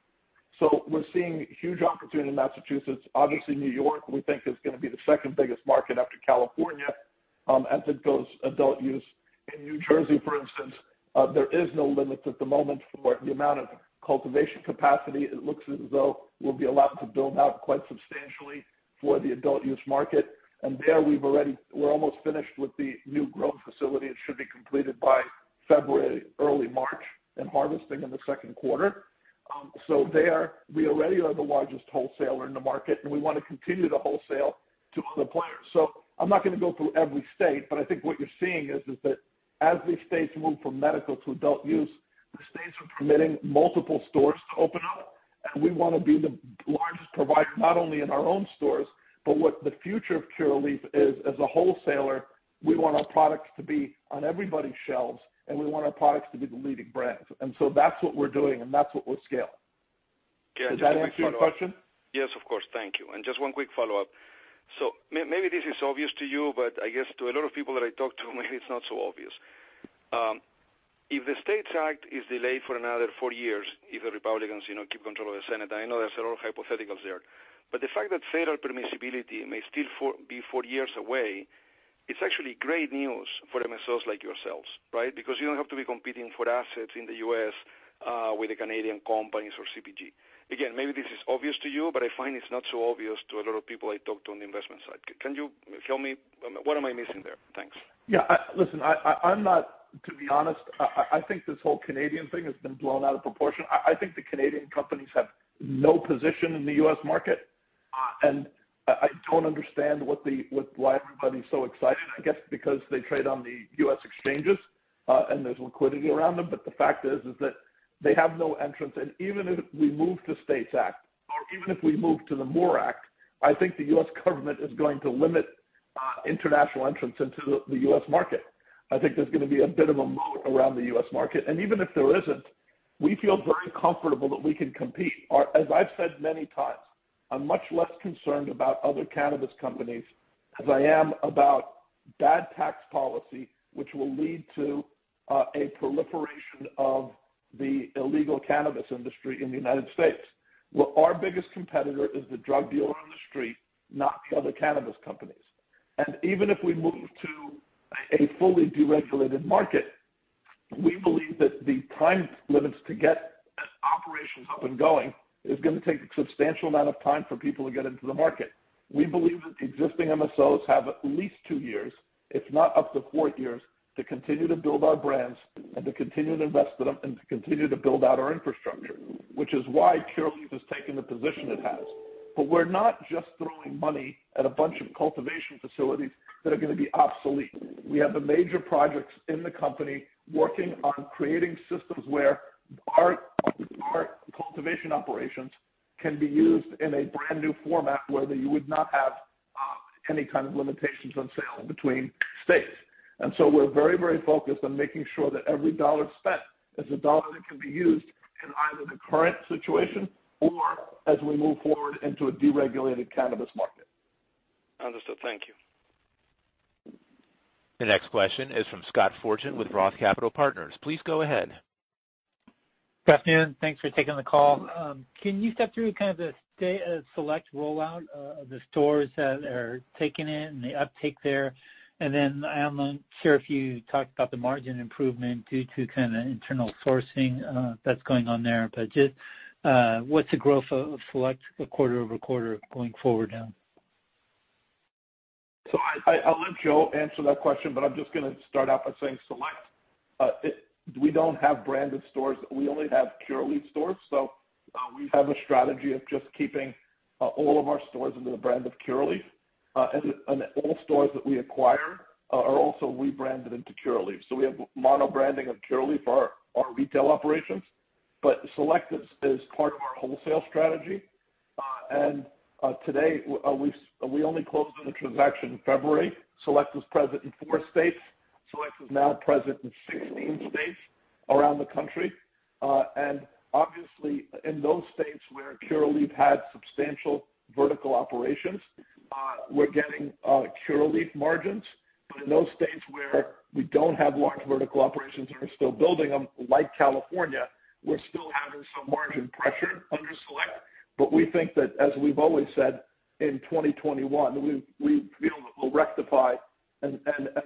So we're seeing huge opportunity in Massachusetts. Obviously, New York, we think, is going to be the second biggest market after California as it goes adult-use. In New Jersey, for instance, there is no limit at the moment for the amount of cultivation capacity. It looks as though we'll be allowed to build out quite substantially for the adult use market. And there, we're almost finished with the new growth facility. It should be completed by February, early March, and harvesting in the second quarter. So there, we already are the largest wholesaler in the market, and we want to continue to wholesale to other players. So I'm not going to go through every state, but I think what you're seeing is that as these states move from medical to adult use, the states are permitting multiple stores to open up, and we want to be the largest provider, not only in our own stores, but what the future of Curaleaf is as a wholesaler. We want our products to be on everybody's shelves, and we want our products to be the leading brands. And so that's what we're doing, and that's what we'll scale. Does that answer your question? Yes, of course. Thank you. And just one quick follow-up. So maybe this is obvious to you, but I guess to a lot of people that I talk to, maybe it's not so obvious. If the STATES Act is delayed for another four years, if the Republicans keep control of the Senate, and I know there's a lot of hypotheticals there, but the fact that federal permissibility may still be four years away, it's actually great news for MSOs like yourselves, right? Because you don't have to be competing for assets in the U.S. with the Canadian companies or CPG. Again, maybe this is obvious to you, but I find it's not so obvious to a lot of people I talk to on the investment side. Can you help me? What am I missing there? Thanks. Yeah. Listen, I'm not, to be honest, I think this whole Canadian thing has been blown out of proportion. I think the Canadian companies have no position in the U.S. market, and I don't understand why everybody's so excited. I guess because they trade on the U.S. exchanges and there's liquidity around them. But the fact is that they have no entrance. And even if we move to STATES Act, or even if we move to the MORE Act, I think the U.S. government is going to limit international entrance into the U.S. market. I think there's going to be a bit of a moat around the U.S. market. And even if there isn't, we feel very comfortable that we can compete. As I've said many times, I'm much less concerned about other cannabis companies as I am about bad tax policy, which will lead to a proliferation of the illegal cannabis industry in the United States. Our biggest competitor is the drug dealer on the street, not the other cannabis companies. Even if we move to a fully deregulated market, we believe that the time limits to get operations up and going is going to take a substantial amount of time for people to get into the market. We believe that existing MSOs have at least two years, if not up to four years, to continue to build our brands and to continue to invest in them and to continue to build out our infrastructure, which is why Curaleaf has taken the position it has. But we're not just throwing money at a bunch of cultivation facilities that are going to be obsolete. We have the major projects in the company working on creating systems where our cultivation operations can be used in a brand new format where you would not have any kind of limitations on sale between states. And so we're very, very focused on making sure that every dollar spent is a dollar that can be used in either the current situation or as we move forward into a deregulated cannabis market. Understood. Thank you. The next question is from Scott Fortune with Roth Capital Partners. Please go ahead. Scott Fortune, thanks for taking the call. Can you step through kind of the Select rollout of the stores that are taking it and the uptake there? And then I'm not sure if you talked about the margin improvement due to kind of internal sourcing that's going on there, but just what's the growth of Select quarter over quarter going forward now? I'll let Joe answer that question, but I'm just going to start out by saying Select. We don't have branded stores. We only have Curaleaf stores. So we have a strategy of just keeping all of our stores under the brand of Curaleaf. And all stores that we acquire are also rebranded into Curaleaf. So we have mono branding of Curaleaf for our retail operations, but Select is part of our wholesale strategy. And today, we only closed the transaction in February. Select was present in four states. Select is now present in 16 states around the country. And obviously, in those states where Curaleaf had substantial vertical operations, we're getting Curaleaf margins. But in those states where we don't have large vertical operations and are still building them, like California, we're still having some margin pressure under Select. But we think that, as we've always said, in 2021, we feel that we'll rectify and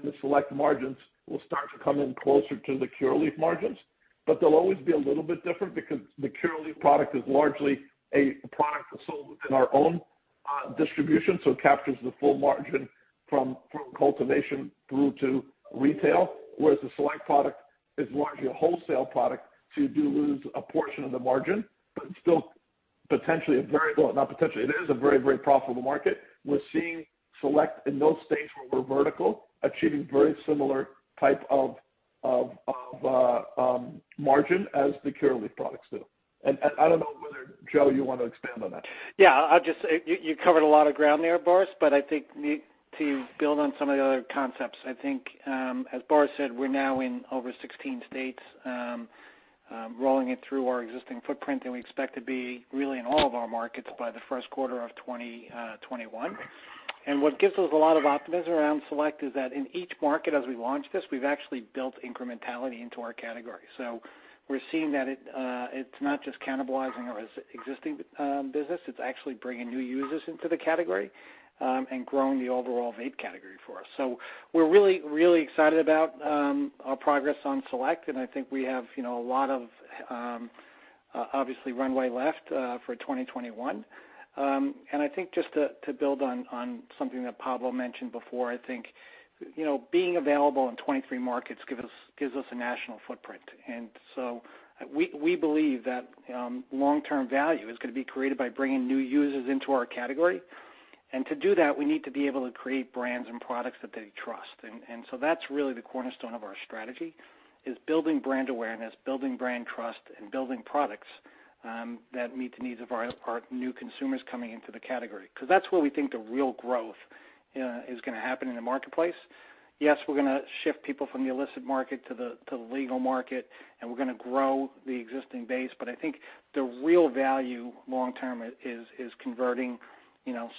the Select margins will start to come in closer to the Curaleaf margins. But they'll always be a little bit different because the Curaleaf product is largely a product sold within our own distribution, so it captures the full margin from cultivation through to retail. Whereas the Select product is largely a wholesale product, so you do lose a portion of the margin, but it's still potentially a very, well, not potentially, it is a very, very profitable market. We're seeing Select in those states where we're vertical, achieving a very similar type of margin as the Curaleaf products do. And I don't know whether, Joe, you want to expand on that. Yeah. You covered a lot of ground there, Boris, but I think to build on some of the other concepts, I think, as Boris said, we're now in over 16 states rolling it through our existing footprint, and we expect to be really in all of our markets by the first quarter of 2021. And what gives us a lot of optimism around Select is that in each market, as we launch this, we've actually built incrementality into our category. So we're seeing that it's not just cannibalizing our existing business. It's actually bringing new users into the category and growing the overall vape category for us. So we're really, really excited about our progress on Select, and I think we have a lot of, obviously, runway left for 2021. I think just to build on something that Pablo mentioned before, I think being available in 23 markets gives us a national footprint. We believe that long-term value is going to be created by bringing new users into our category. To do that, we need to be able to create brands and products that they trust. That's really the cornerstone of our strategy: building brand awareness, building brand trust, and building products that meet the needs of our new consumers coming into the category. That's where we think the real growth is going to happen in the marketplace. Yes, we're going to shift people from the illicit market to the legal market, and we're going to grow the existing base. But I think the real value long-term is converting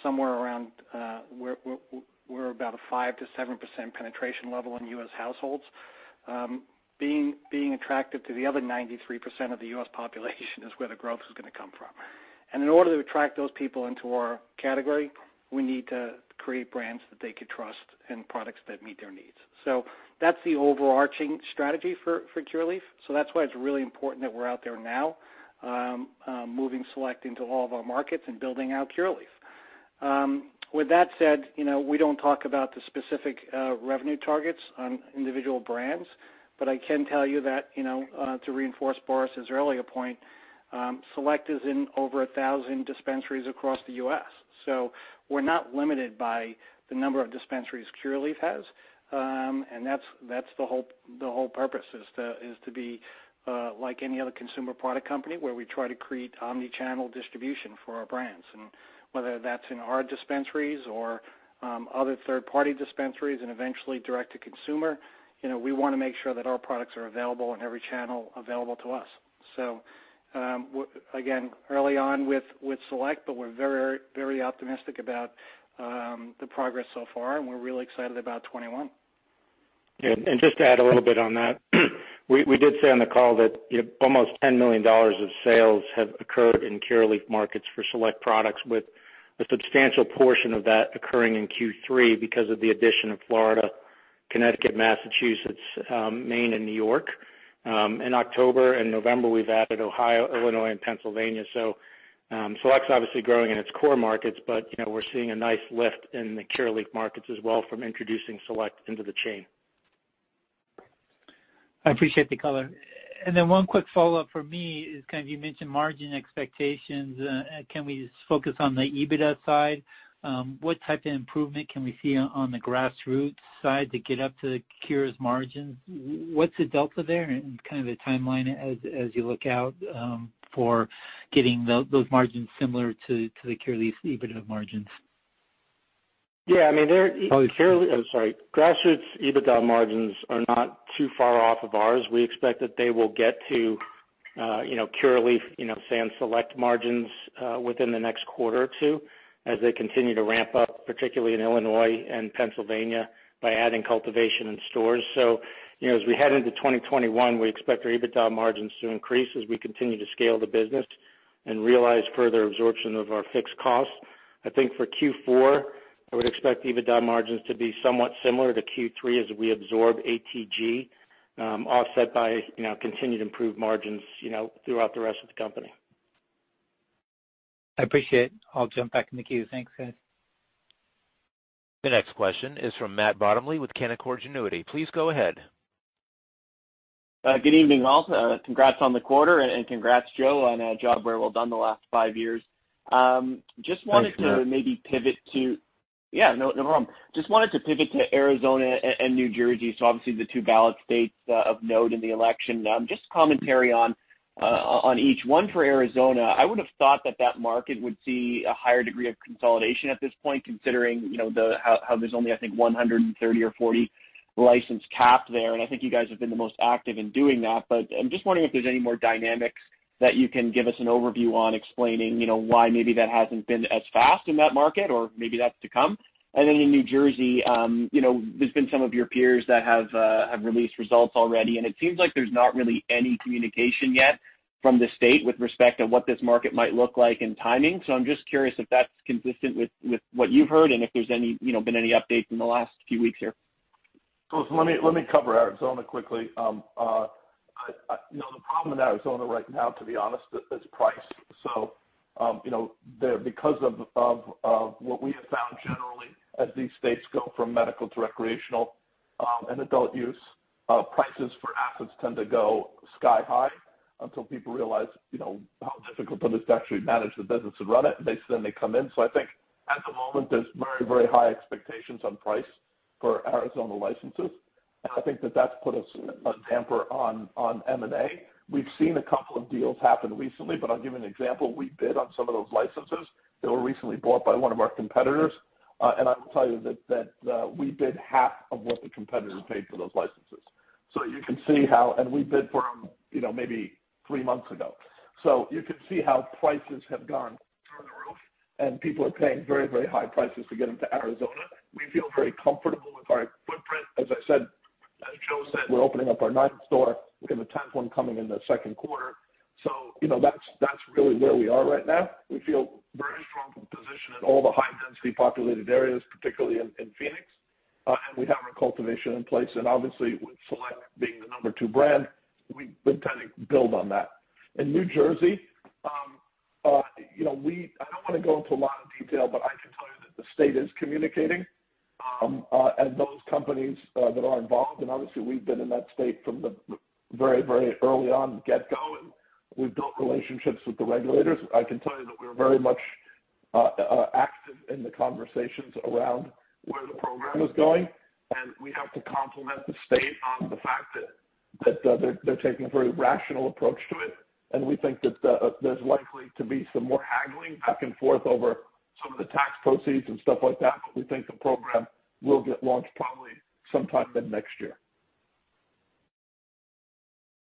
somewhere around where we're about a 5%-7% penetration level in U.S. households. Being attractive to the other 93% of the U.S. population is where the growth is going to come from. And in order to attract those people into our category, we need to create brands that they could trust and products that meet their needs. So that's the overarching strategy for Curaleaf. So that's why it's really important that we're out there now, moving Select into all of our markets and building out Curaleaf. With that said, we don't talk about the specific revenue targets on individual brands, but I can tell you that, to reinforce Boris's earlier point, Select is in over 1,000 dispensaries across the U.S. So we're not limited by the number of dispensaries Curaleaf has. And that's the whole purpose: is to be like any other consumer product company where we try to create omnichannel distribution for our brands. And whether that's in our dispensaries or other third-party dispensaries and eventually direct-to-consumer, we want to make sure that our products are available in every channel available to us. So again, early on with Select, but we're very, very optimistic about the progress so far, and we're really excited about 2021. And just to add a little bit on that, we did say on the call that almost $10 million of sales have occurred in Curaleaf markets for Select products, with a substantial portion of that occurring in Q3 because of the addition of Florida, Connecticut, Massachusetts, Maine, and New York. In October and November, we've added Ohio, Illinois, and Pennsylvania. So Select's obviously growing in its core markets, but we're seeing a nice lift in the Curaleaf markets as well from introducing Select into the chain. I appreciate the color. And then one quick follow-up for me is kind of you mentioned margin expectations. Can we just focus on the EBITDA side? What type of improvement can we see on the Grassroots side to get up to Curaleaf's margins? What's the delta there and kind of the timeline as you look out for getting those margins similar to the Curaleaf EBITDA margins? Yeah. I mean, Curaleaf, sorry, Grassroots EBITDA margins are not too far off of ours. We expect that they will get to Curaleaf, say, and Select margins within the next quarter or two as they continue to ramp up, particularly in Illinois and Pennsylvania, by adding cultivation in stores. So as we head into 2021, we expect our EBITDA margins to increase as we continue to scale the business and realize further absorption of our fixed costs. I think for Q4, I would expect EBITDA margins to be somewhat similar to Q3 as we absorb ATG, offset by continued improved margins throughout the rest of the company. I appreciate it. I'll jump back in the queue. Thanks, guys. The next question is from Matt Bottomley with Canaccord Genuity. Please go ahead. Good evening, all. Congrats on the quarter, and congrats, Joe, on a job very well done the last five years. Just wanted to maybe pivot to, yeah, no problem. Just wanted to pivot to Arizona and New Jersey. So obviously, the two ballot states of note in the election. Just commentary on each one for Arizona. I would have thought that that market would see a higher degree of consolidation at this point, considering how there's only, I think, 130 or 40 license cap there. And I think you guys have been the most active in doing that. But I'm just wondering if there's any more dynamics that you can give us an overview on, explaining why maybe that hasn't been as fast in that market, or maybe that's to come. And then in New Jersey, there's been some of your peers that have released results already, and it seems like there's not really any communication yet from the state with respect to what this market might look like in timing. So I'm just curious if that's consistent with what you've heard and if there's been any updates in the last few weeks here? Let me cover Arizona quickly. The problem in Arizona right now, to be honest, is price. Because of what we have found generally, as these states go from medical to recreational and adult use, prices for assets tend to go sky high until people realize how difficult it is to actually manage the business and run it. Then they come in. I think at the moment, there's very, very high expectations on price for Arizona licenses. I think that that's put a damper on M&A. We've seen a couple of deals happen recently, but I'll give you an example. We bid on some of those licenses that were recently bought by one of our competitors. I will tell you that we bid half of what the competitor paid for those licenses. So you can see how, and we bid for them maybe three months ago. So you can see how prices have gone through the roof, and people are paying very, very high prices to get into Arizona. We feel very comfortable with our footprint. As I said, as Joe said, we're opening up our ninth store. We have a tenth one coming in the second quarter. So that's really where we are right now. We feel very strongly positioned in all the high-density populated areas, particularly in Phoenix. And we have our cultivation in place. And obviously, with Select being the number two brand, we've been trying to build on that. In New Jersey, I don't want to go into a lot of detail, but I can tell you that the state is communicating and those companies that are involved. And obviously, we've been in that state from the very, very early on, get-go. And we've built relationships with the regulators. I can tell you that we're very much active in the conversations around where the program is going. And we have to compliment the state on the fact that they're taking a very rational approach to it. And we think that there's likely to be some more haggling back and forth over some of the tax proceeds and stuff like that. But we think the program will get launched probably sometime mid-next year.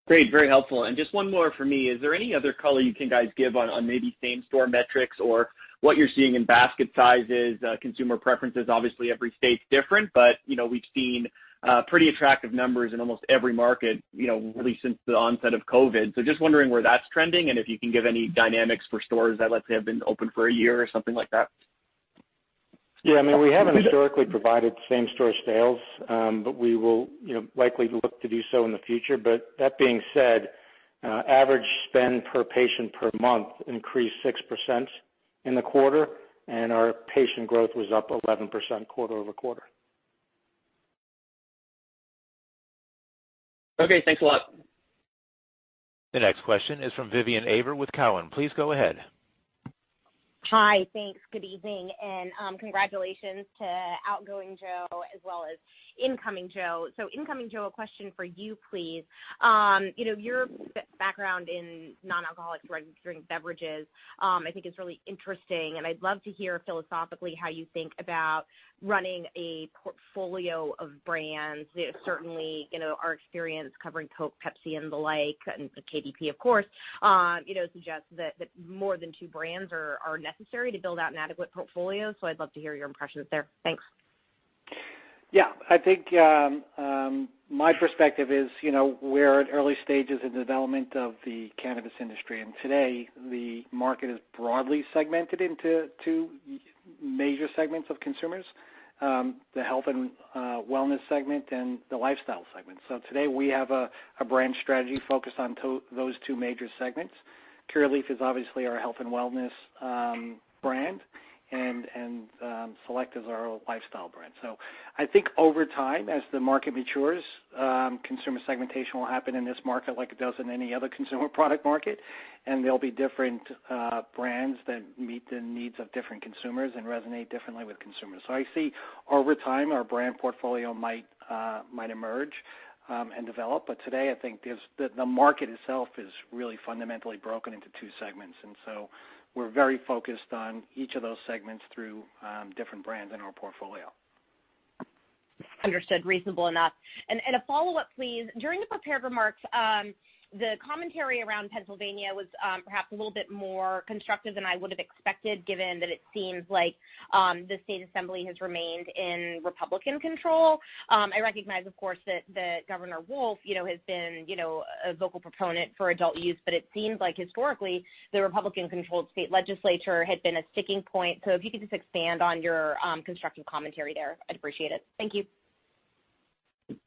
Great. Very helpful, and just one more for me. Is there any other color you guys can give on maybe same-store metrics or what you're seeing in basket sizes, consumer preferences? Obviously, every state's different, but we've seen pretty attractive numbers in almost every market really since the onset of COVID, so just wondering where that's trending and if you can give any dynamics for stores that, let's say, have been open for a year or something like that. Yeah. I mean, we haven't historically provided same-store sales, but we will likely look to do so in the future. But that being said, average spend per patient per month increased 6% in the quarter, and our patient growth was up 11% quarter over quarter. Okay. Thanks a lot. The next question is from Vivian Azer with Cowen. Please go ahead. Hi. Thanks. Good evening and congratulations to outgoing Joe as well as incoming Joe. Incoming Joe, a question for you, please. Your background in non-alcoholic beverages I think is really interesting. I'd love to hear philosophically how you think about running a portfolio of brands. Certainly, our experience covering Coke, Pepsi, and the like, and KDP, of course, suggests that more than two brands are necessary to build out an adequate portfolio. I'd love to hear your impressions there. Thanks. Yeah. I think my perspective is we're at early stages in development of the cannabis industry, and today, the market is broadly segmented into two major segments of consumers: the health and wellness segment and the lifestyle segment, so today, we have a brand strategy focused on those two major segments. Curaleaf is obviously our health and wellness brand, and Select is our lifestyle brand, so I think over time, as the market matures, consumer segmentation will happen in this market like it does in any other consumer product market, and there'll be different brands that meet the needs of different consumers and resonate differently with consumers, so I see over time, our brand portfolio might emerge and develop, but today, I think the market itself is really fundamentally broken into two segments, and so we're very focused on each of those segments through different brands in our portfolio. Understood. Reasonable enough, and a follow-up, please. During the prepared remarks, the commentary around Pennsylvania was perhaps a little bit more constructive than I would have expected, given that it seems like the state assembly has remained in Republican control. I recognize, of course, that Governor Wolf has been a vocal proponent for adult use, but it seems like historically, the Republican-controlled state legislature had been a sticking point. So if you could just expand on your constructive commentary there, I'd appreciate it. Thank you.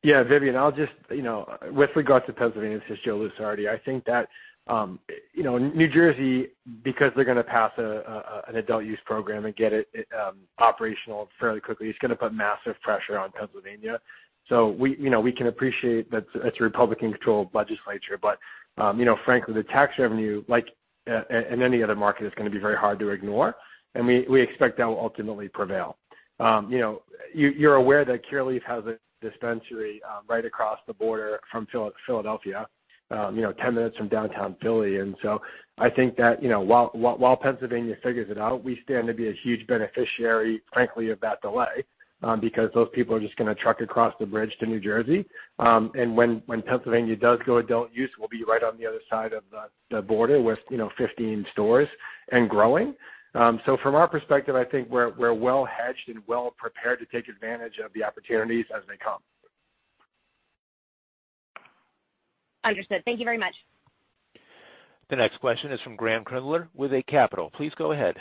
Yeah. Vivian, I'll just, with regards to Pennsylvania's history, I think that New Jersey, because they're going to pass an adult-use program and get it operational fairly quickly, it's going to put massive pressure on Pennsylvania. So we can appreciate that it's a Republican-controlled legislature. But frankly, the tax revenue, like in any other market, is going to be very hard to ignore. And we expect that will ultimately prevail. You're aware that Curaleaf has a dispensary right across the border from Philadelphia, 10 minutes from downtown Philly. And so I think that while Pennsylvania figures it out, we stand to be a huge beneficiary, frankly, of that delay because those people are just going to truck across the bridge to New Jersey. And when Pennsylvania does go adult-use, we'll be right on the other side of the border with 15 stores and growing. So from our perspective, I think we're well-hedged and well-prepared to take advantage of the opportunities as they come. Understood. Thank you very much. The next question is from Graham Kreindler with Eight Capital. Please go ahead.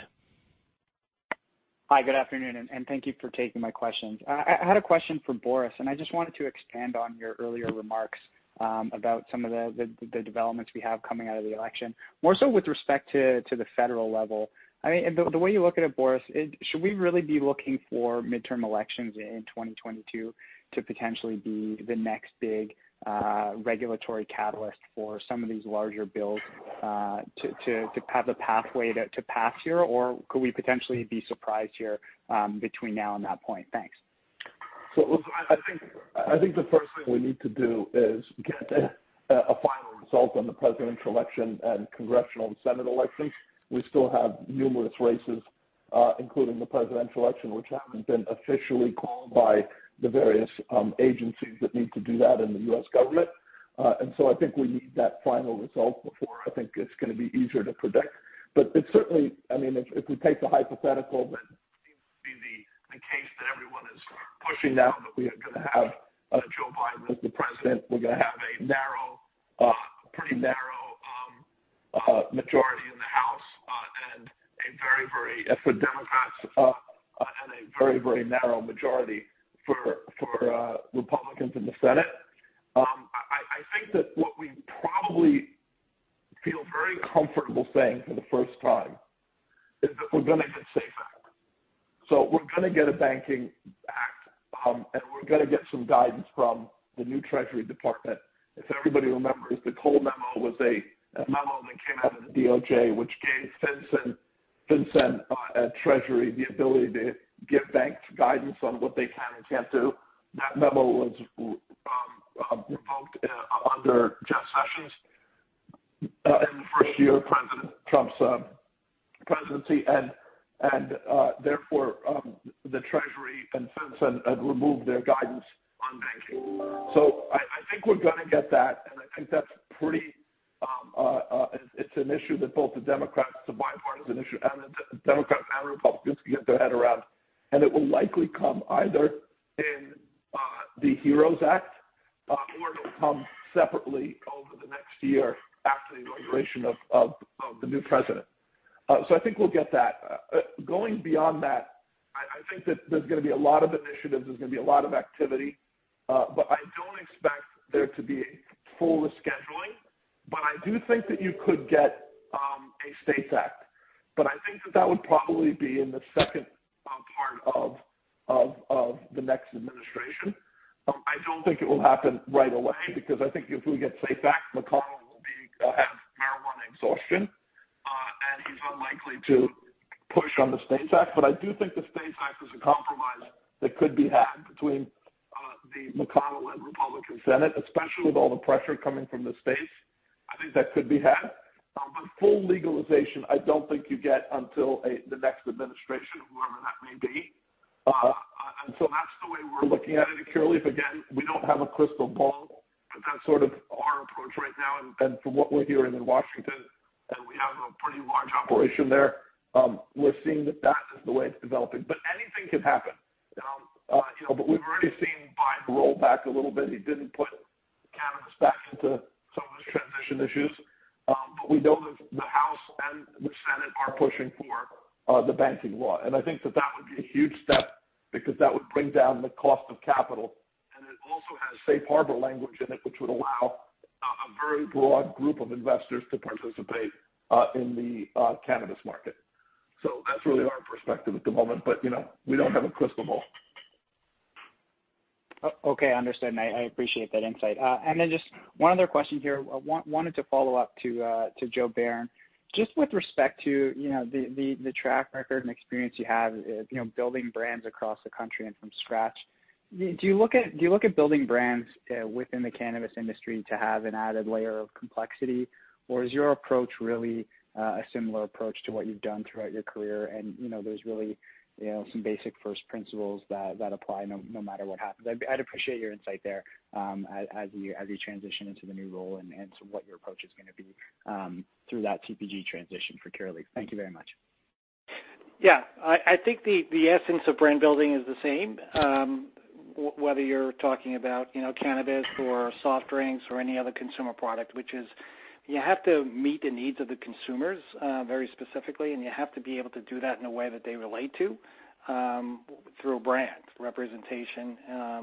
Hi. Good afternoon and thank you for taking my questions. I had a question for Boris, and I just wanted to expand on your earlier remarks about some of the developments we have coming out of the election, more so with respect to the federal level. I mean, the way you look at it, Boris, should we really be looking for midterm elections in 2022 to potentially be the next big regulatory catalyst for some of these larger bills to have the pathway to pass here, or could we potentially be surprised here between now and that point? Thanks. I think the first thing we need to do is get a final result on the presidential election and congressional and Senate elections. We still have numerous races, including the presidential election, which haven't been officially called by the various agencies that need to do that in the U.S. government. So I think we need that final result before, I think, it's going to be easier to predict. But certainly, I mean, if we take the hypothetical that seems to be the case that everyone is pushing now, that we are going to have Joe Biden as the president, we're going to have a pretty narrow majority in the House and a very, very—for Democrats—and a very, very narrow majority for Republicans in the Senate. I think that what we probably feel very comfortable saying for the first time is that we're going to get SAFE Act. So we're going to get a Banking Act, and we're going to get some guidance from the new Treasury Department. If everybody remembers, the Cole Memo was a memo that came out of the DOJ, which gave FinCEN and Treasury the ability to give banks guidance on what they can and can't do. That memo was revoked under Jeff Sessions in the first year of President Trump's presidency. And therefore, the Treasury and FinCEN have removed their guidance on banking. So I think we're going to get that. And I think that's pretty, it's an issue that both the Democrats, it's a bipartisan issue, and the Democrats and Republicans can get their head around. And it will likely come either in the HEROES Act, or it'll come separately over the next year after the inauguration of the new president. So I think we'll get that. Going beyond that, I think that there's going to be a lot of initiatives. There's going to be a lot of activity. But I don't expect there to be full rescheduling. But I do think that you could get a SAFE Act. But I think that that would probably be in the second part of the next administration. I don't think it will happen right away because I think if we get SAFE Act, McConnell will have marijuana exhaustion, and he's unlikely to push on the SAFE Act. But I do think the SAFE Act is a compromise that could be had between the McConnell and Republican Senate, especially with all the pressure coming from the states. I think that could be had. But full legalization, I don't think you get until the next administration, whoever that may be. And so that's the way we're looking at it. Curaleaf, again, we don't have a crystal ball. That's sort of our approach right now. From what we're hearing in Washington, and we have a pretty large operation there, we're seeing that that is the way it's developing. Anything can happen. We've already seen Biden roll back a little bit. He didn't put cannabis back into some of his transition issues. We know that the House and the Senate are pushing for the banking law. I think that that would be a huge step because that would bring down the cost of capital. It also has safe harbor language in it, which would allow a very broad group of investors to participate in the cannabis market. That's really our perspective at the moment. We don't have a crystal ball. Okay. Understood. And I appreciate that insight. And then just one other question here. I wanted to follow up to Joe Bayern. Just with respect to the track record and experience you have building brands across the country and from scratch, do you look at building brands within the cannabis industry to have an added layer of complexity, or is your approach really a similar approach to what you've done throughout your career? And there's really some basic first principles that apply no matter what happens. I'd appreciate your insight there as you transition into the new role and what your approach is going to be through that CPG transition for Curaleaf. Thank you very much. Yeah. I think the essence of brand building is the same, whether you're talking about cannabis or soft drinks or any other consumer product, which is you have to meet the needs of the consumers very specifically, and you have to be able to do that in a way that they relate to through a brand representation,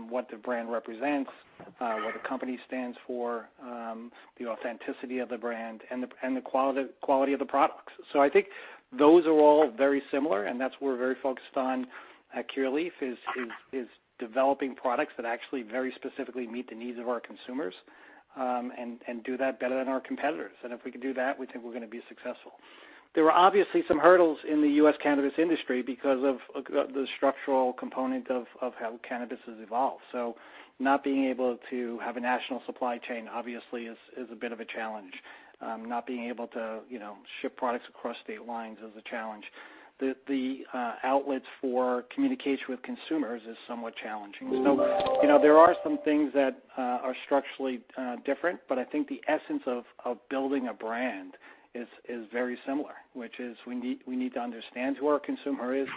what the brand represents, what the company stands for, the authenticity of the brand, and the quality of the products. So I think those are all very similar. And that's what we're very focused on at Curaleaf, is developing products that actually very specifically meet the needs of our consumers and do that better than our competitors. And if we can do that, we think we're going to be successful. There are obviously some hurdles in the U.S. cannabis industry because of the structural component of how cannabis has evolved. So not being able to have a national supply chain, obviously, is a bit of a challenge. Not being able to ship products across state lines is a challenge. The outlets for communication with consumers is somewhat challenging. So there are some things that are structurally different, but I think the essence of building a brand is very similar, which is we need to understand who our consumer is,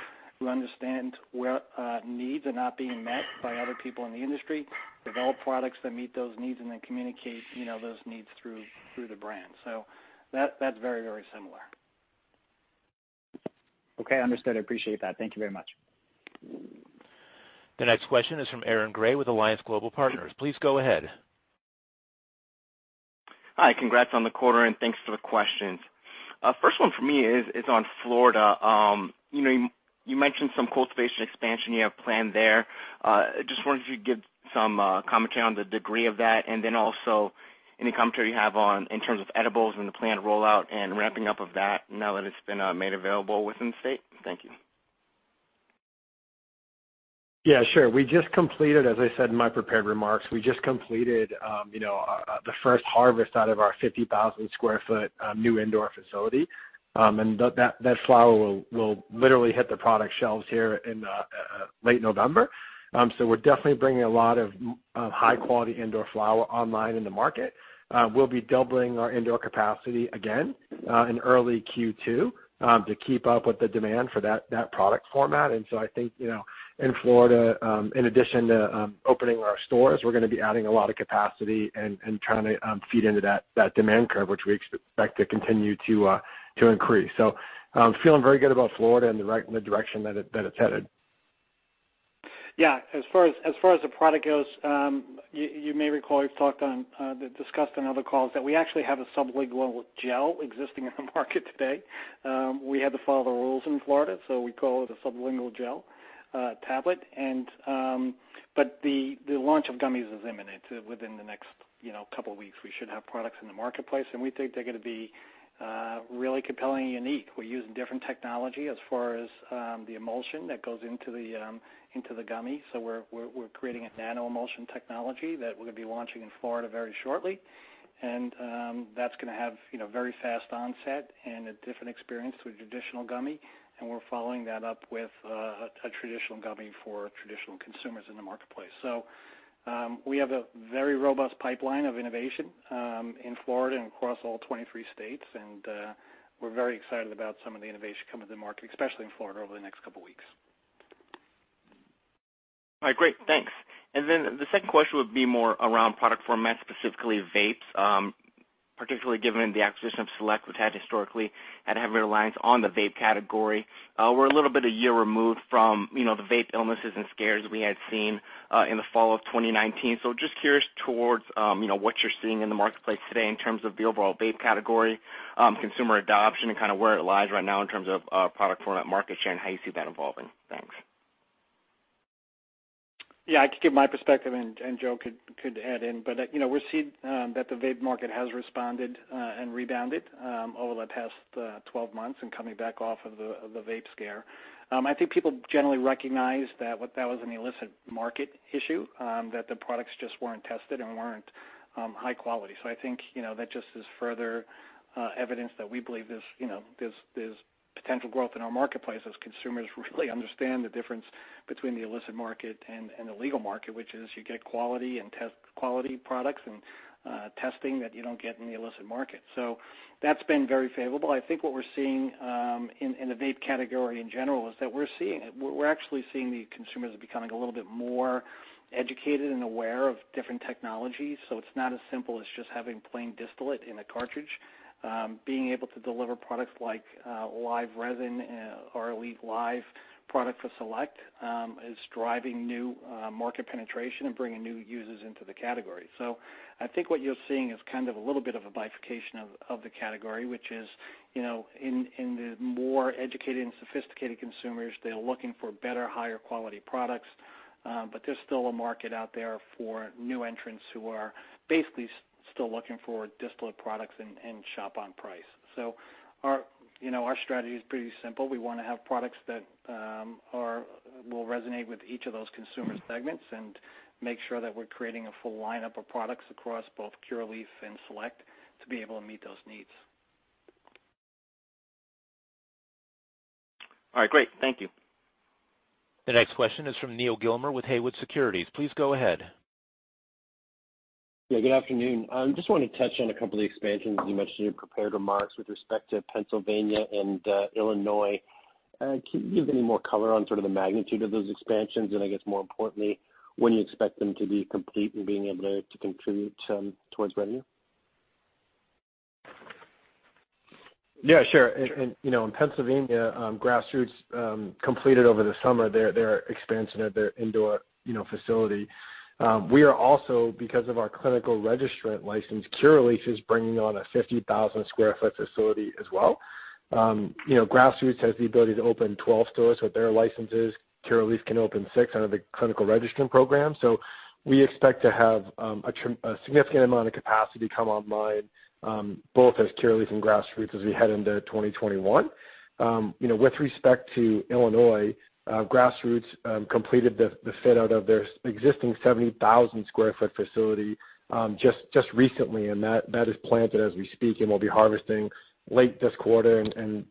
who understands what needs are not being met by other people in the industry, develop products that meet those needs, and then communicate those needs through the brand. So that's very, very similar. Okay. Understood. Appreciate that. Thank you very much. The next question is from Aaron Grey with Alliance Global Partners. Please go ahead. Hi. Congrats on the quarter, and thanks for the questions. First one for me is on Florida. You mentioned some cultivation expansion you have planned there. Just wonder if you could give some commentary on the degree of that, and then also any commentary you have in terms of edibles and the planned rollout and ramping up of that now that it's been made available within the state. Thank you. Yeah. Sure. As I said in my prepared remarks, we just completed the first harvest out of our 50,000 sq ft new indoor facility. And that flower will literally hit the product shelves here in late November. So we're definitely bringing a lot of high-quality indoor flower online in the market. We'll be doubling our indoor capacity again in early Q2 to keep up with the demand for that product format. And so I think in Florida, in addition to opening our stores, we're going to be adding a lot of capacity and trying to feed into that demand curve, which we expect to continue to increase. So feeling very good about Florida and the direction that it's headed. Yeah. As far as the product goes, you may recall we've discussed in other calls that we actually have a sublingual gel existing in the market today. We had to follow the rules in Florida, so we call it a sublingual gel tablet, but the launch of gummies is imminent. Within the next couple of weeks, we should have products in the marketplace, and we think they're going to be really compelling and unique. We're using different technology as far as the emulsion that goes into the gummy, so we're creating a nano-emulsion technology that we're going to be launching in Florida very shortly, and that's going to have very fast onset and a different experience to a traditional gummy, and we're following that up with a traditional gummy for traditional consumers in the marketplace. So we have a very robust pipeline of innovation in Florida and across all 23 states. And we're very excited about some of the innovation coming to the market, especially in Florida, over the next couple of weeks. All right. Great. Thanks. And then the second question would be more around product format, specifically vapes, particularly given the acquisition of Select, which had historically had heavy reliance on the vape category. We're a little bit a year removed from the vape illnesses and scares we had seen in the fall of 2019. So just curious towards what you're seeing in the marketplace today in terms of the overall vape category, consumer adoption, and kind of where it lies right now in terms of product format, market share, and how you see that evolving? Thanks. Yeah. I could give my perspective, and Joe could add in. But we're seeing that the vape market has responded and rebounded over the past 12 months and coming back off of the vape scare. I think people generally recognize that that was an illicit market issue, that the products just weren't tested and weren't high quality. So I think that just is further evidence that we believe there's potential growth in our marketplace as consumers really understand the difference between the illicit market and the legal market, which is you get quality and test quality products and testing that you don't get in the illicit market. So that's been very favorable. I think what we're seeing in the vape category in general is that we're actually seeing the consumers becoming a little bit more educated and aware of different technologies. It's not as simple as just having plain distillate in a cartridge. Being able to deliver products like live resin or live product for Select is driving new market penetration and bringing new users into the category. I think what you're seeing is kind of a little bit of a bifurcation of the category, which is in the more educated and sophisticated consumers, they're looking for better, higher quality products. But there's still a market out there for new entrants who are basically still looking for distillate products and shop on price. Our strategy is pretty simple. We want to have products that will resonate with each of those consumer segments and make sure that we're creating a full lineup of products across both Curaleaf and Select to be able to meet those needs. All right. Great. Thank you. The next question is from Neil Gilmer with Haywood Securities. Please go ahead. Yeah. Good afternoon. I just wanted to touch on a couple of the expansions you mentioned in your prepared remarks with respect to Pennsylvania and Illinois. Can you give any more color on sort of the magnitude of those expansions? And I guess, more importantly, when you expect them to be complete and being able to contribute towards revenue? Yeah. Sure. In Pennsylvania, Grassroots completed over the summer their expansion of their indoor facility. We are also, because of our clinical registrant license, Curaleaf is bringing on a 50,000 sq ft facility as well. Grassroots has the ability to open 12 stores with their licenses. Curaleaf can open six under the clinical registrant program. So we expect to have a significant amount of capacity come online, both as Curaleaf and Grassroots, as we head into 2021. With respect to Illinois, Grassroots completed the fit out of their existing 70,000 sq ft facility just recently, and that is planted as we speak and will be harvesting late this quarter into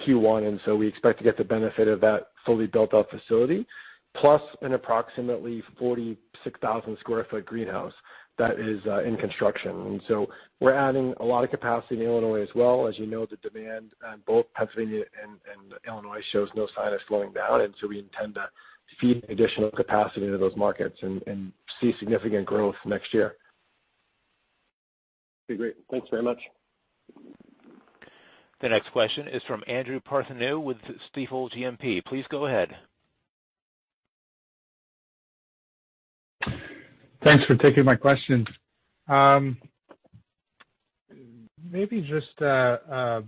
Q1. And so we expect to get the benefit of that fully built-out facility, plus an approximately 46,000 sq ft greenhouse that is in construction. And so we're adding a lot of capacity in Illinois as well. As you know, the demand on both Pennsylvania and Illinois shows no sign of slowing down, and so we intend to feed additional capacity into those markets and see significant growth next year. Okay. Great. Thanks very much. The next question is from Andrew Partheniou with Stifel GMP. Please go ahead. Thanks for taking my question. Maybe just a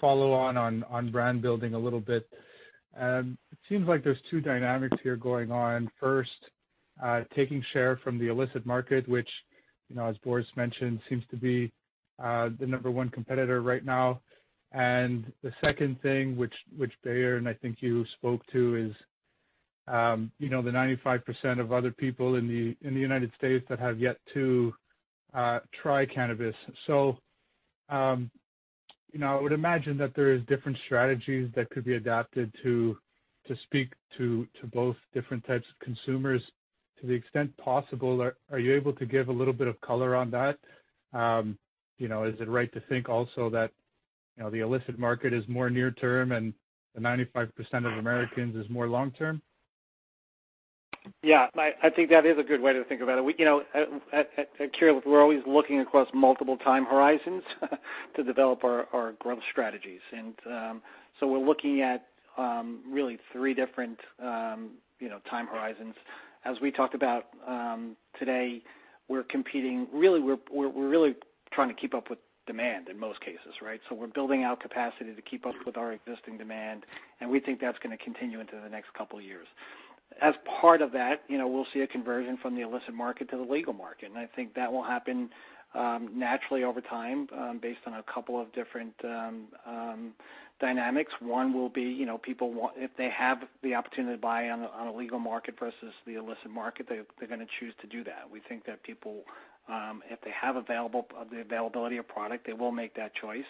follow-on on brand building a little bit. It seems like there's two dynamics here going on. First, taking share from the illicit market, which, as Boris mentioned, seems to be the number one competitor right now. And the second thing, which Bayern and I think you spoke to, is the 95% of other people in the United States that have yet to try cannabis. So I would imagine that there are different strategies that could be adapted to speak to both different types of consumers. To the extent possible, are you able to give a little bit of color on that? Is it right to think also that the illicit market is more near-term and the 95% of Americans is more long-term? Yeah. I think that is a good way to think about it. At Curaleaf, we're always looking across multiple time horizons to develop our growth strategies. And so we're looking at really three different time horizons. As we talked about today, we're competing really. We're really trying to keep up with demand in most cases, right? So we're building out capacity to keep up with our existing demand. And we think that's going to continue into the next couple of years. As part of that, we'll see a conversion from the illicit market to the legal market. And I think that will happen naturally over time based on a couple of different dynamics. One will be people, if they have the opportunity to buy on a legal market versus the illicit market, they're going to choose to do that. We think that people, if they have the availability of product, they will make that choice.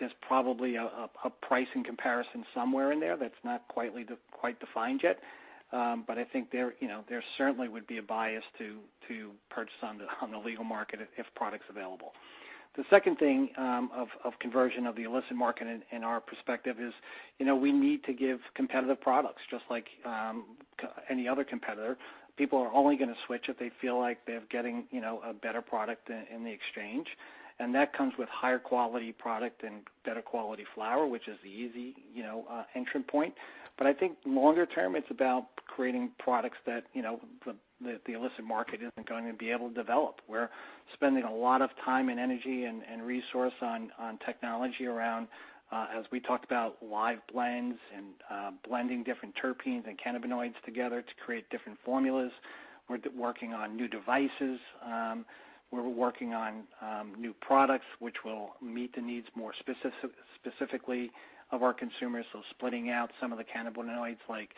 There's probably a pricing comparison somewhere in there that's not quite defined yet. But I think there certainly would be a bias to purchase on the legal market if product's available. The second thing of conversion of the illicit market, in our perspective, is we need to give competitive products just like any other competitor. People are only going to switch if they feel like they're getting a better product in the exchange. And that comes with higher quality product and better quality flower, which is the easy entry point. But I think longer term, it's about creating products that the illicit market isn't going to be able to develop. We're spending a lot of time and energy and resource on technology around, as we talked about, live blends and blending different terpenes and cannabinoids together to create different formulas. We're working on new devices. We're working on new products which will meet the needs more specifically of our consumers. So splitting out some of the cannabinoids like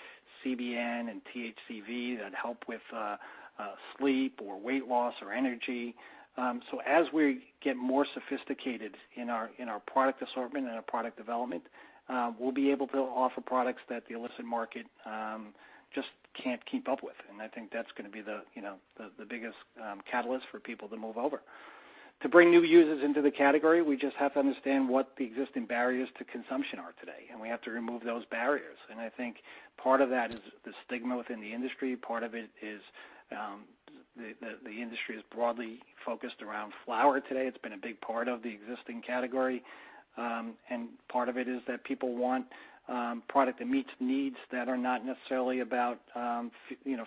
CBN and THCV that help with sleep or weight loss or energy. So as we get more sophisticated in our product assortment and our product development, we'll be able to offer products that the illicit market just can't keep up with. And I think that's going to be the biggest catalyst for people to move over. To bring new users into the category, we just have to understand what the existing barriers to consumption are today. And we have to remove those barriers. And I think part of that is the stigma within the industry. Part of it is the industry is broadly focused around flower today. It's been a big part of the existing category. And part of it is that people want product that meets needs that are not necessarily about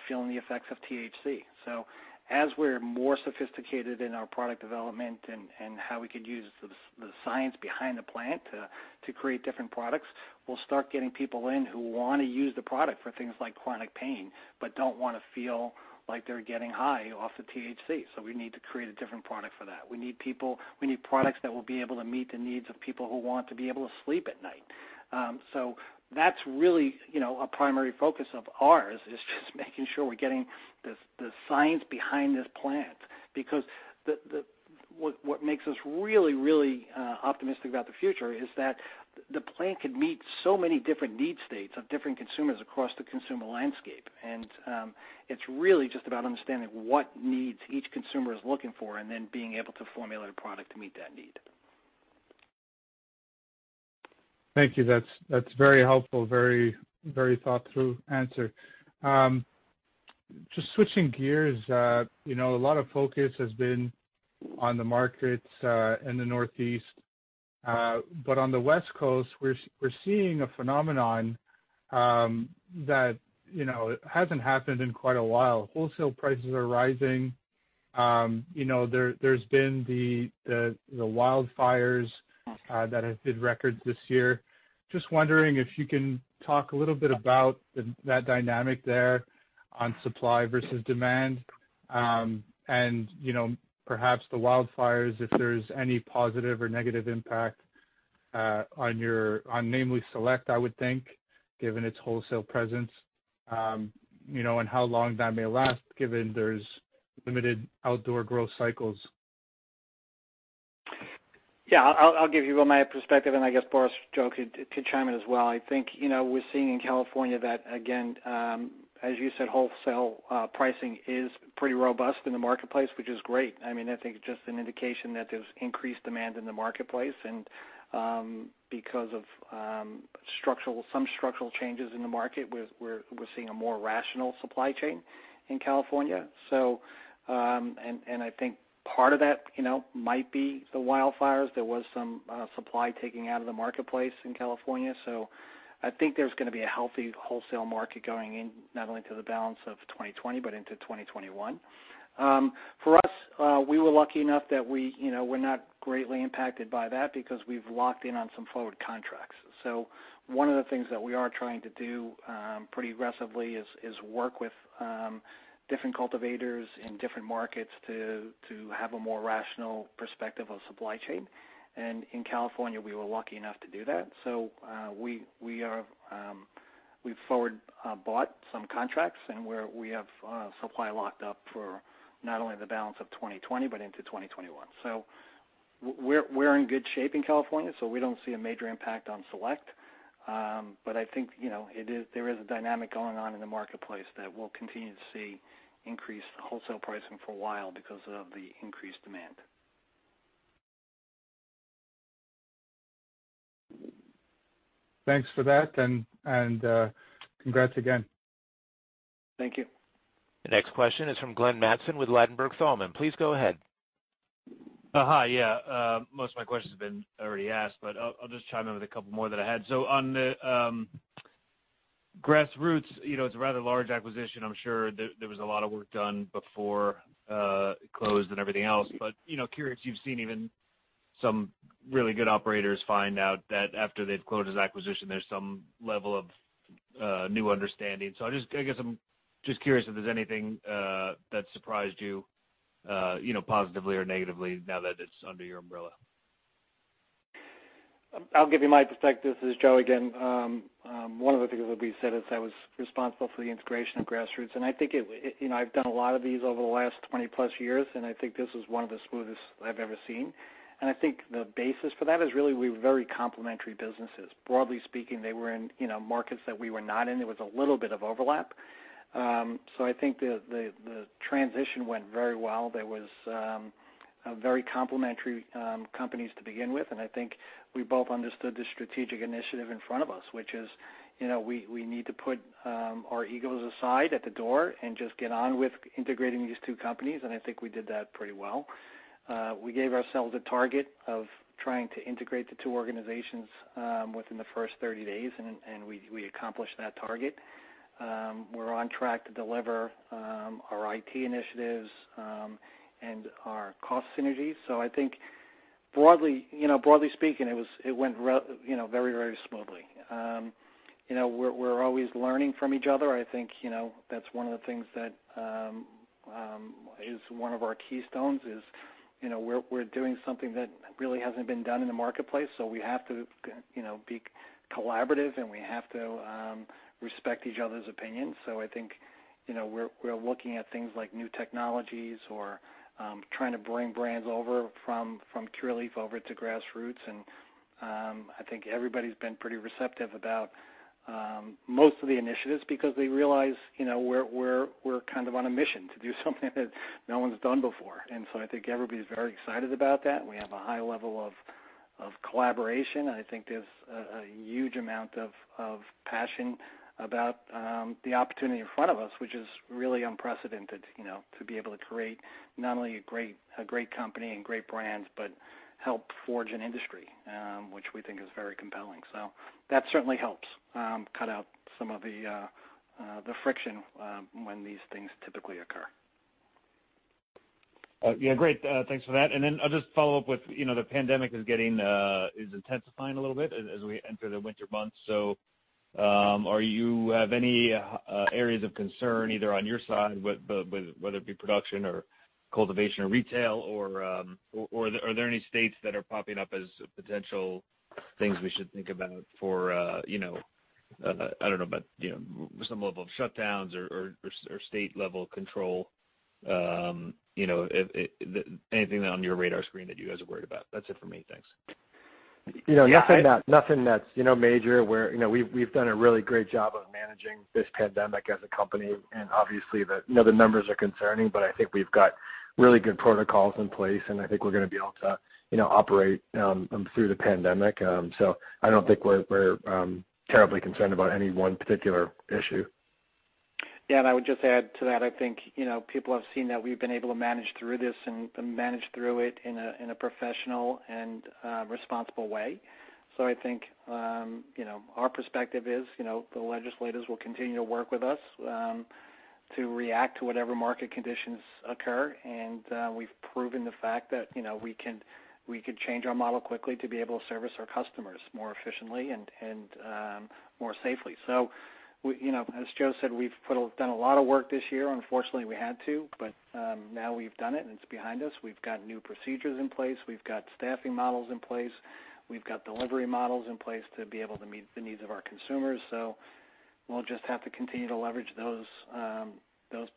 feeling the effects of THC. So as we're more sophisticated in our product development and how we could use the science behind the plant to create different products, we'll start getting people in who want to use the product for things like chronic pain but don't want to feel like they're getting high off the THC. So we need to create a different product for that. We need products that will be able to meet the needs of people who want to be able to sleep at night. So that's really a primary focus of ours, is just making sure we're getting the science behind this plant. Because what makes us really, really optimistic about the future is that the plant could meet so many different need states of different consumers across the consumer landscape. And it's really just about understanding what needs each consumer is looking for and then being able to formulate a product to meet that need. Thank you. That's very helpful, very thoughtful answer. Just switching gears, a lot of focus has been on the markets in the Northeast, but on the West Coast, we're seeing a phenomenon that hasn't happened in quite a while. Wholesale prices are rising. There's been the wildfires that have hit records this year. Just wondering if you can talk a little bit about that dynamic there on supply versus demand, and perhaps the wildfires, if there's any positive or negative impact on namely Select, I would think, given its wholesale presence, and how long that may last, given there's limited outdoor growth cycles? Yeah. I'll give you my perspective, and I guess Boris and Joe could chime in as well. I think we're seeing in California that, again, as you said, wholesale pricing is pretty robust in the marketplace, which is great. I mean, I think it's just an indication that there's increased demand in the marketplace. And because of some structural changes in the market, we're seeing a more rational supply chain in California. And I think part of that might be the wildfires. There was some supply taking out of the marketplace in California. So I think there's going to be a healthy wholesale market going in not only to the balance of 2020 but into 2021. For us, we were lucky enough that we're not greatly impacted by that because we've locked in on some forward contracts. So one of the things that we are trying to do pretty aggressively is work with different cultivators in different markets to have a more rational perspective of supply chain. And in California, we were lucky enough to do that. So we've forward bought some contracts, and we have supply locked up for not only the balance of 2020 but into 2021. So we're in good shape in California, so we don't see a major impact on Select. But I think there is a dynamic going on in the marketplace that we'll continue to see increased wholesale pricing for a while because of the increased demand. Thanks for that. And congrats again. Thank you. The next question is from Glenn Mattson with Ladenburg Thalmann. Please go ahead. Hi. Yeah. Most of my questions have been already asked, but I'll just chime in with a couple more that I had. So on the Grassroots, it's a rather large acquisition. I'm sure there was a lot of work done before it closed and everything else. But, curious if you've seen even some really good operators find out that after they've closed this acquisition, there's some level of new understanding. So I guess I'm just curious if there's anything that surprised you positively or negatively now that it's under your umbrella. I'll give you my perspective. This is Joe again. One of the things that we said is I was responsible for the integration of Grassroots, and I think I've done a lot of these over the last 20-plus years, and I think this is one of the smoothest I've ever seen, and I think the basis for that is really we were very complementary businesses. Broadly speaking, they were in markets that we were not in. There was a little bit of overlap, so I think the transition went very well. There were very complementary companies to begin with, and I think we both understood the strategic initiative in front of us, which is we need to put our egos aside at the door and just get on with integrating these two companies, and I think we did that pretty well. We gave ourselves a target of trying to integrate the two organizations within the first 30 days. And we accomplished that target. We're on track to deliver our IT initiatives and our cost synergies. So I think, broadly speaking, it went very, very smoothly. We're always learning from each other. I think that's one of the things that is one of our keystones is we're doing something that really hasn't been done in the marketplace. So we have to be collaborative, and we have to respect each other's opinions. So I think we're looking at things like new technologies or trying to bring brands over from Curaleaf over to Grassroots. And I think everybody's been pretty receptive about most of the initiatives because they realize we're kind of on a mission to do something that no one's done before. And so I think everybody's very excited about that. We have a high level of collaboration. I think there's a huge amount of passion about the opportunity in front of us, which is really unprecedented to be able to create not only a great company and great brands but help forge an industry, which we think is very compelling, so that certainly helps cut out some of the friction when these things typically occur. Yeah. Great. Thanks for that. And then I'll just follow up with the pandemic is getting intensifying a little bit as we enter the winter months. So do you have any areas of concern either on your side, whether it be production or cultivation or retail? Or are there any states that are popping up as potential things we should think about for, I don't know, some level of shutdowns or state-level control? Anything on your radar screen that you guys are worried about? That's it for me. Thanks. Nothing that's major. We've done a really great job of managing this pandemic as a company. And obviously, the numbers are concerning. But I think we've got really good protocols in place. And I think we're going to be able to operate through the pandemic. So I don't think we're terribly concerned about any one particular issue. Yeah. And I would just add to that, I think people have seen that we've been able to manage through this and manage through it in a professional and responsible way. So I think our perspective is the legislators will continue to work with us to react to whatever market conditions occur. And we've proven the fact that we could change our model quickly to be able to service our customers more efficiently and more safely. So as Joe said, we've done a lot of work this year. Unfortunately, we had to. But now we've done it, and it's behind us. We've got new procedures in place. We've got staffing models in place. We've got delivery models in place to be able to meet the needs of our consumers. So we'll just have to continue to leverage those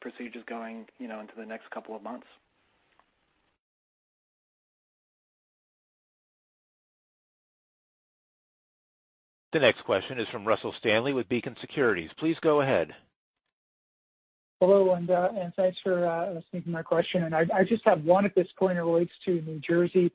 procedures going into the next couple of months. The next question is from Russell Stanley with Beacon Securities. Please go ahead. Hello. And thanks for speaking my question. And I just have one at this point. It relates to New Jersey.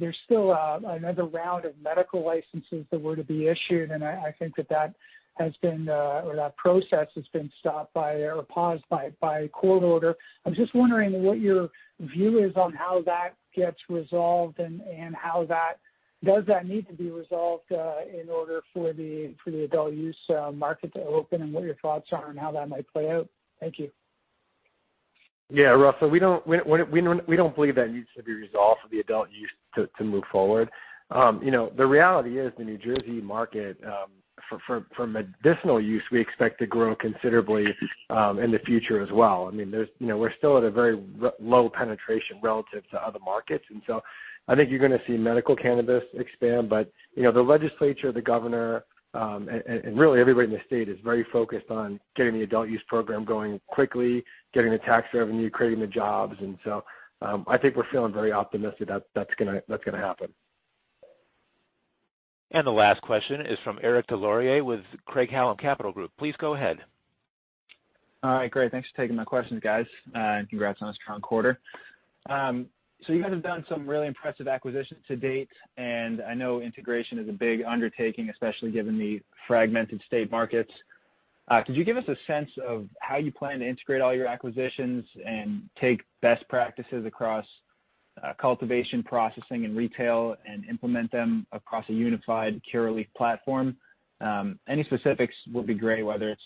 There's still another round of medical licenses that were to be issued. And I think that that has been or that process has been stopped by or paused by court order. I was just wondering what your view is on how that gets resolved and how that does that need to be resolved in order for the adult use market to open and what your thoughts are on how that might play out. Thank you. Yeah. Russell, we don't believe that needs to be resolved for the adult use to move forward. The reality is the New Jersey market for medicinal use, we expect to grow considerably in the future as well. I mean, we're still at a very low penetration relative to other markets. And so I think you're going to see medical cannabis expand. But the legislature, the governor, and really everybody in the state is very focused on getting the adult use program going quickly, getting the tax revenue, creating the jobs. And so I think we're feeling very optimistic that that's going to happen. The last question is from Eric Des Lauriers with Craig-Hallum Capital Group. Please go ahead. All right. Great. Thanks for taking my questions, guys. And congrats on this strong quarter. So you guys have done some really impressive acquisitions to date. And I know integration is a big undertaking, especially given the fragmented state markets. Could you give us a sense of how you plan to integrate all your acquisitions and take best practices across cultivation, processing, and retail and implement them across a unified Curaleaf platform? Any specifics would be great, whether it's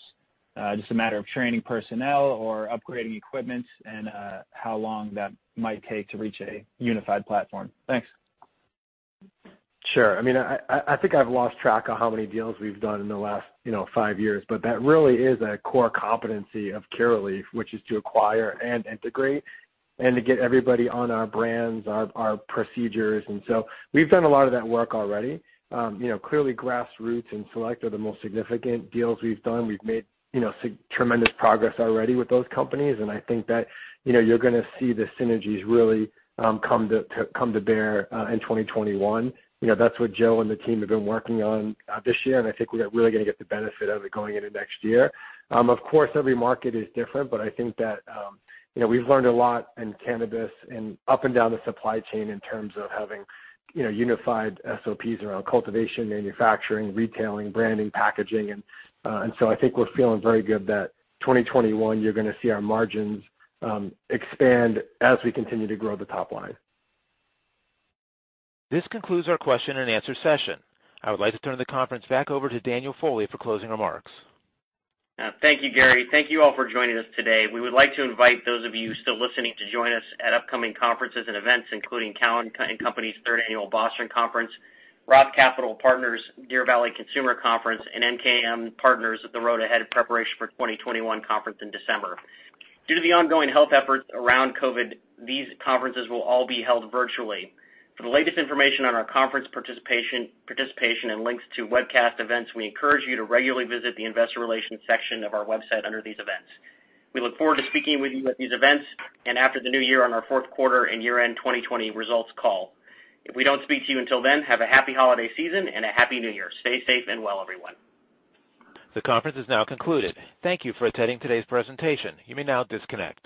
just a matter of training personnel or upgrading equipment and how long that might take to reach a unified platform. Thanks. Sure. I mean, I think I've lost track of how many deals we've done in the last five years. But that really is a core competency of Curaleaf, which is to acquire and integrate and to get everybody on our brands, our procedures. And so we've done a lot of that work already. Clearly, Grassroots and Select are the most significant deals we've done. We've made tremendous progress already with those companies. And I think that you're going to see the synergies really come to bear in 2021. That's what Joe and the team have been working on this year. And I think we're really going to get the benefit of it going into next year. Of course, every market is different. But I think that we've learned a lot in cannabis and up and down the supply chain in terms of having unified SOPs around cultivation, manufacturing, retailing, branding, packaging. And so I think we're feeling very good that 2021, you're going to see our margins expand as we continue to grow the top line. This concludes our question and answer session. I would like to turn the conference back over to Daniel Foley for closing remarks. Thank you, Gary. Thank you all for joining us today. We would like to invite those of you still listening to join us at upcoming conferences and events, including Canaccord Genuity's third annual Boston Conference, Roth Capital Partners Deer Valley Consumer Conference, and MKM Partners at the Road Ahead Preparation for 2021 Conference in December. Due to the ongoing health efforts around COVID, these conferences will all be held virtually. For the latest information on our conference participation and links to webcast events, we encourage you to regularly visit the investor relations section of our website under these events. We look forward to speaking with you at these events and after the new year on our fourth quarter and year-end 2020 results call. If we don't speak to you until then, have a happy holiday season and a happy new year. Stay safe and well, everyone. The conference is now concluded. Thank you for attending today's presentation. You may now disconnect.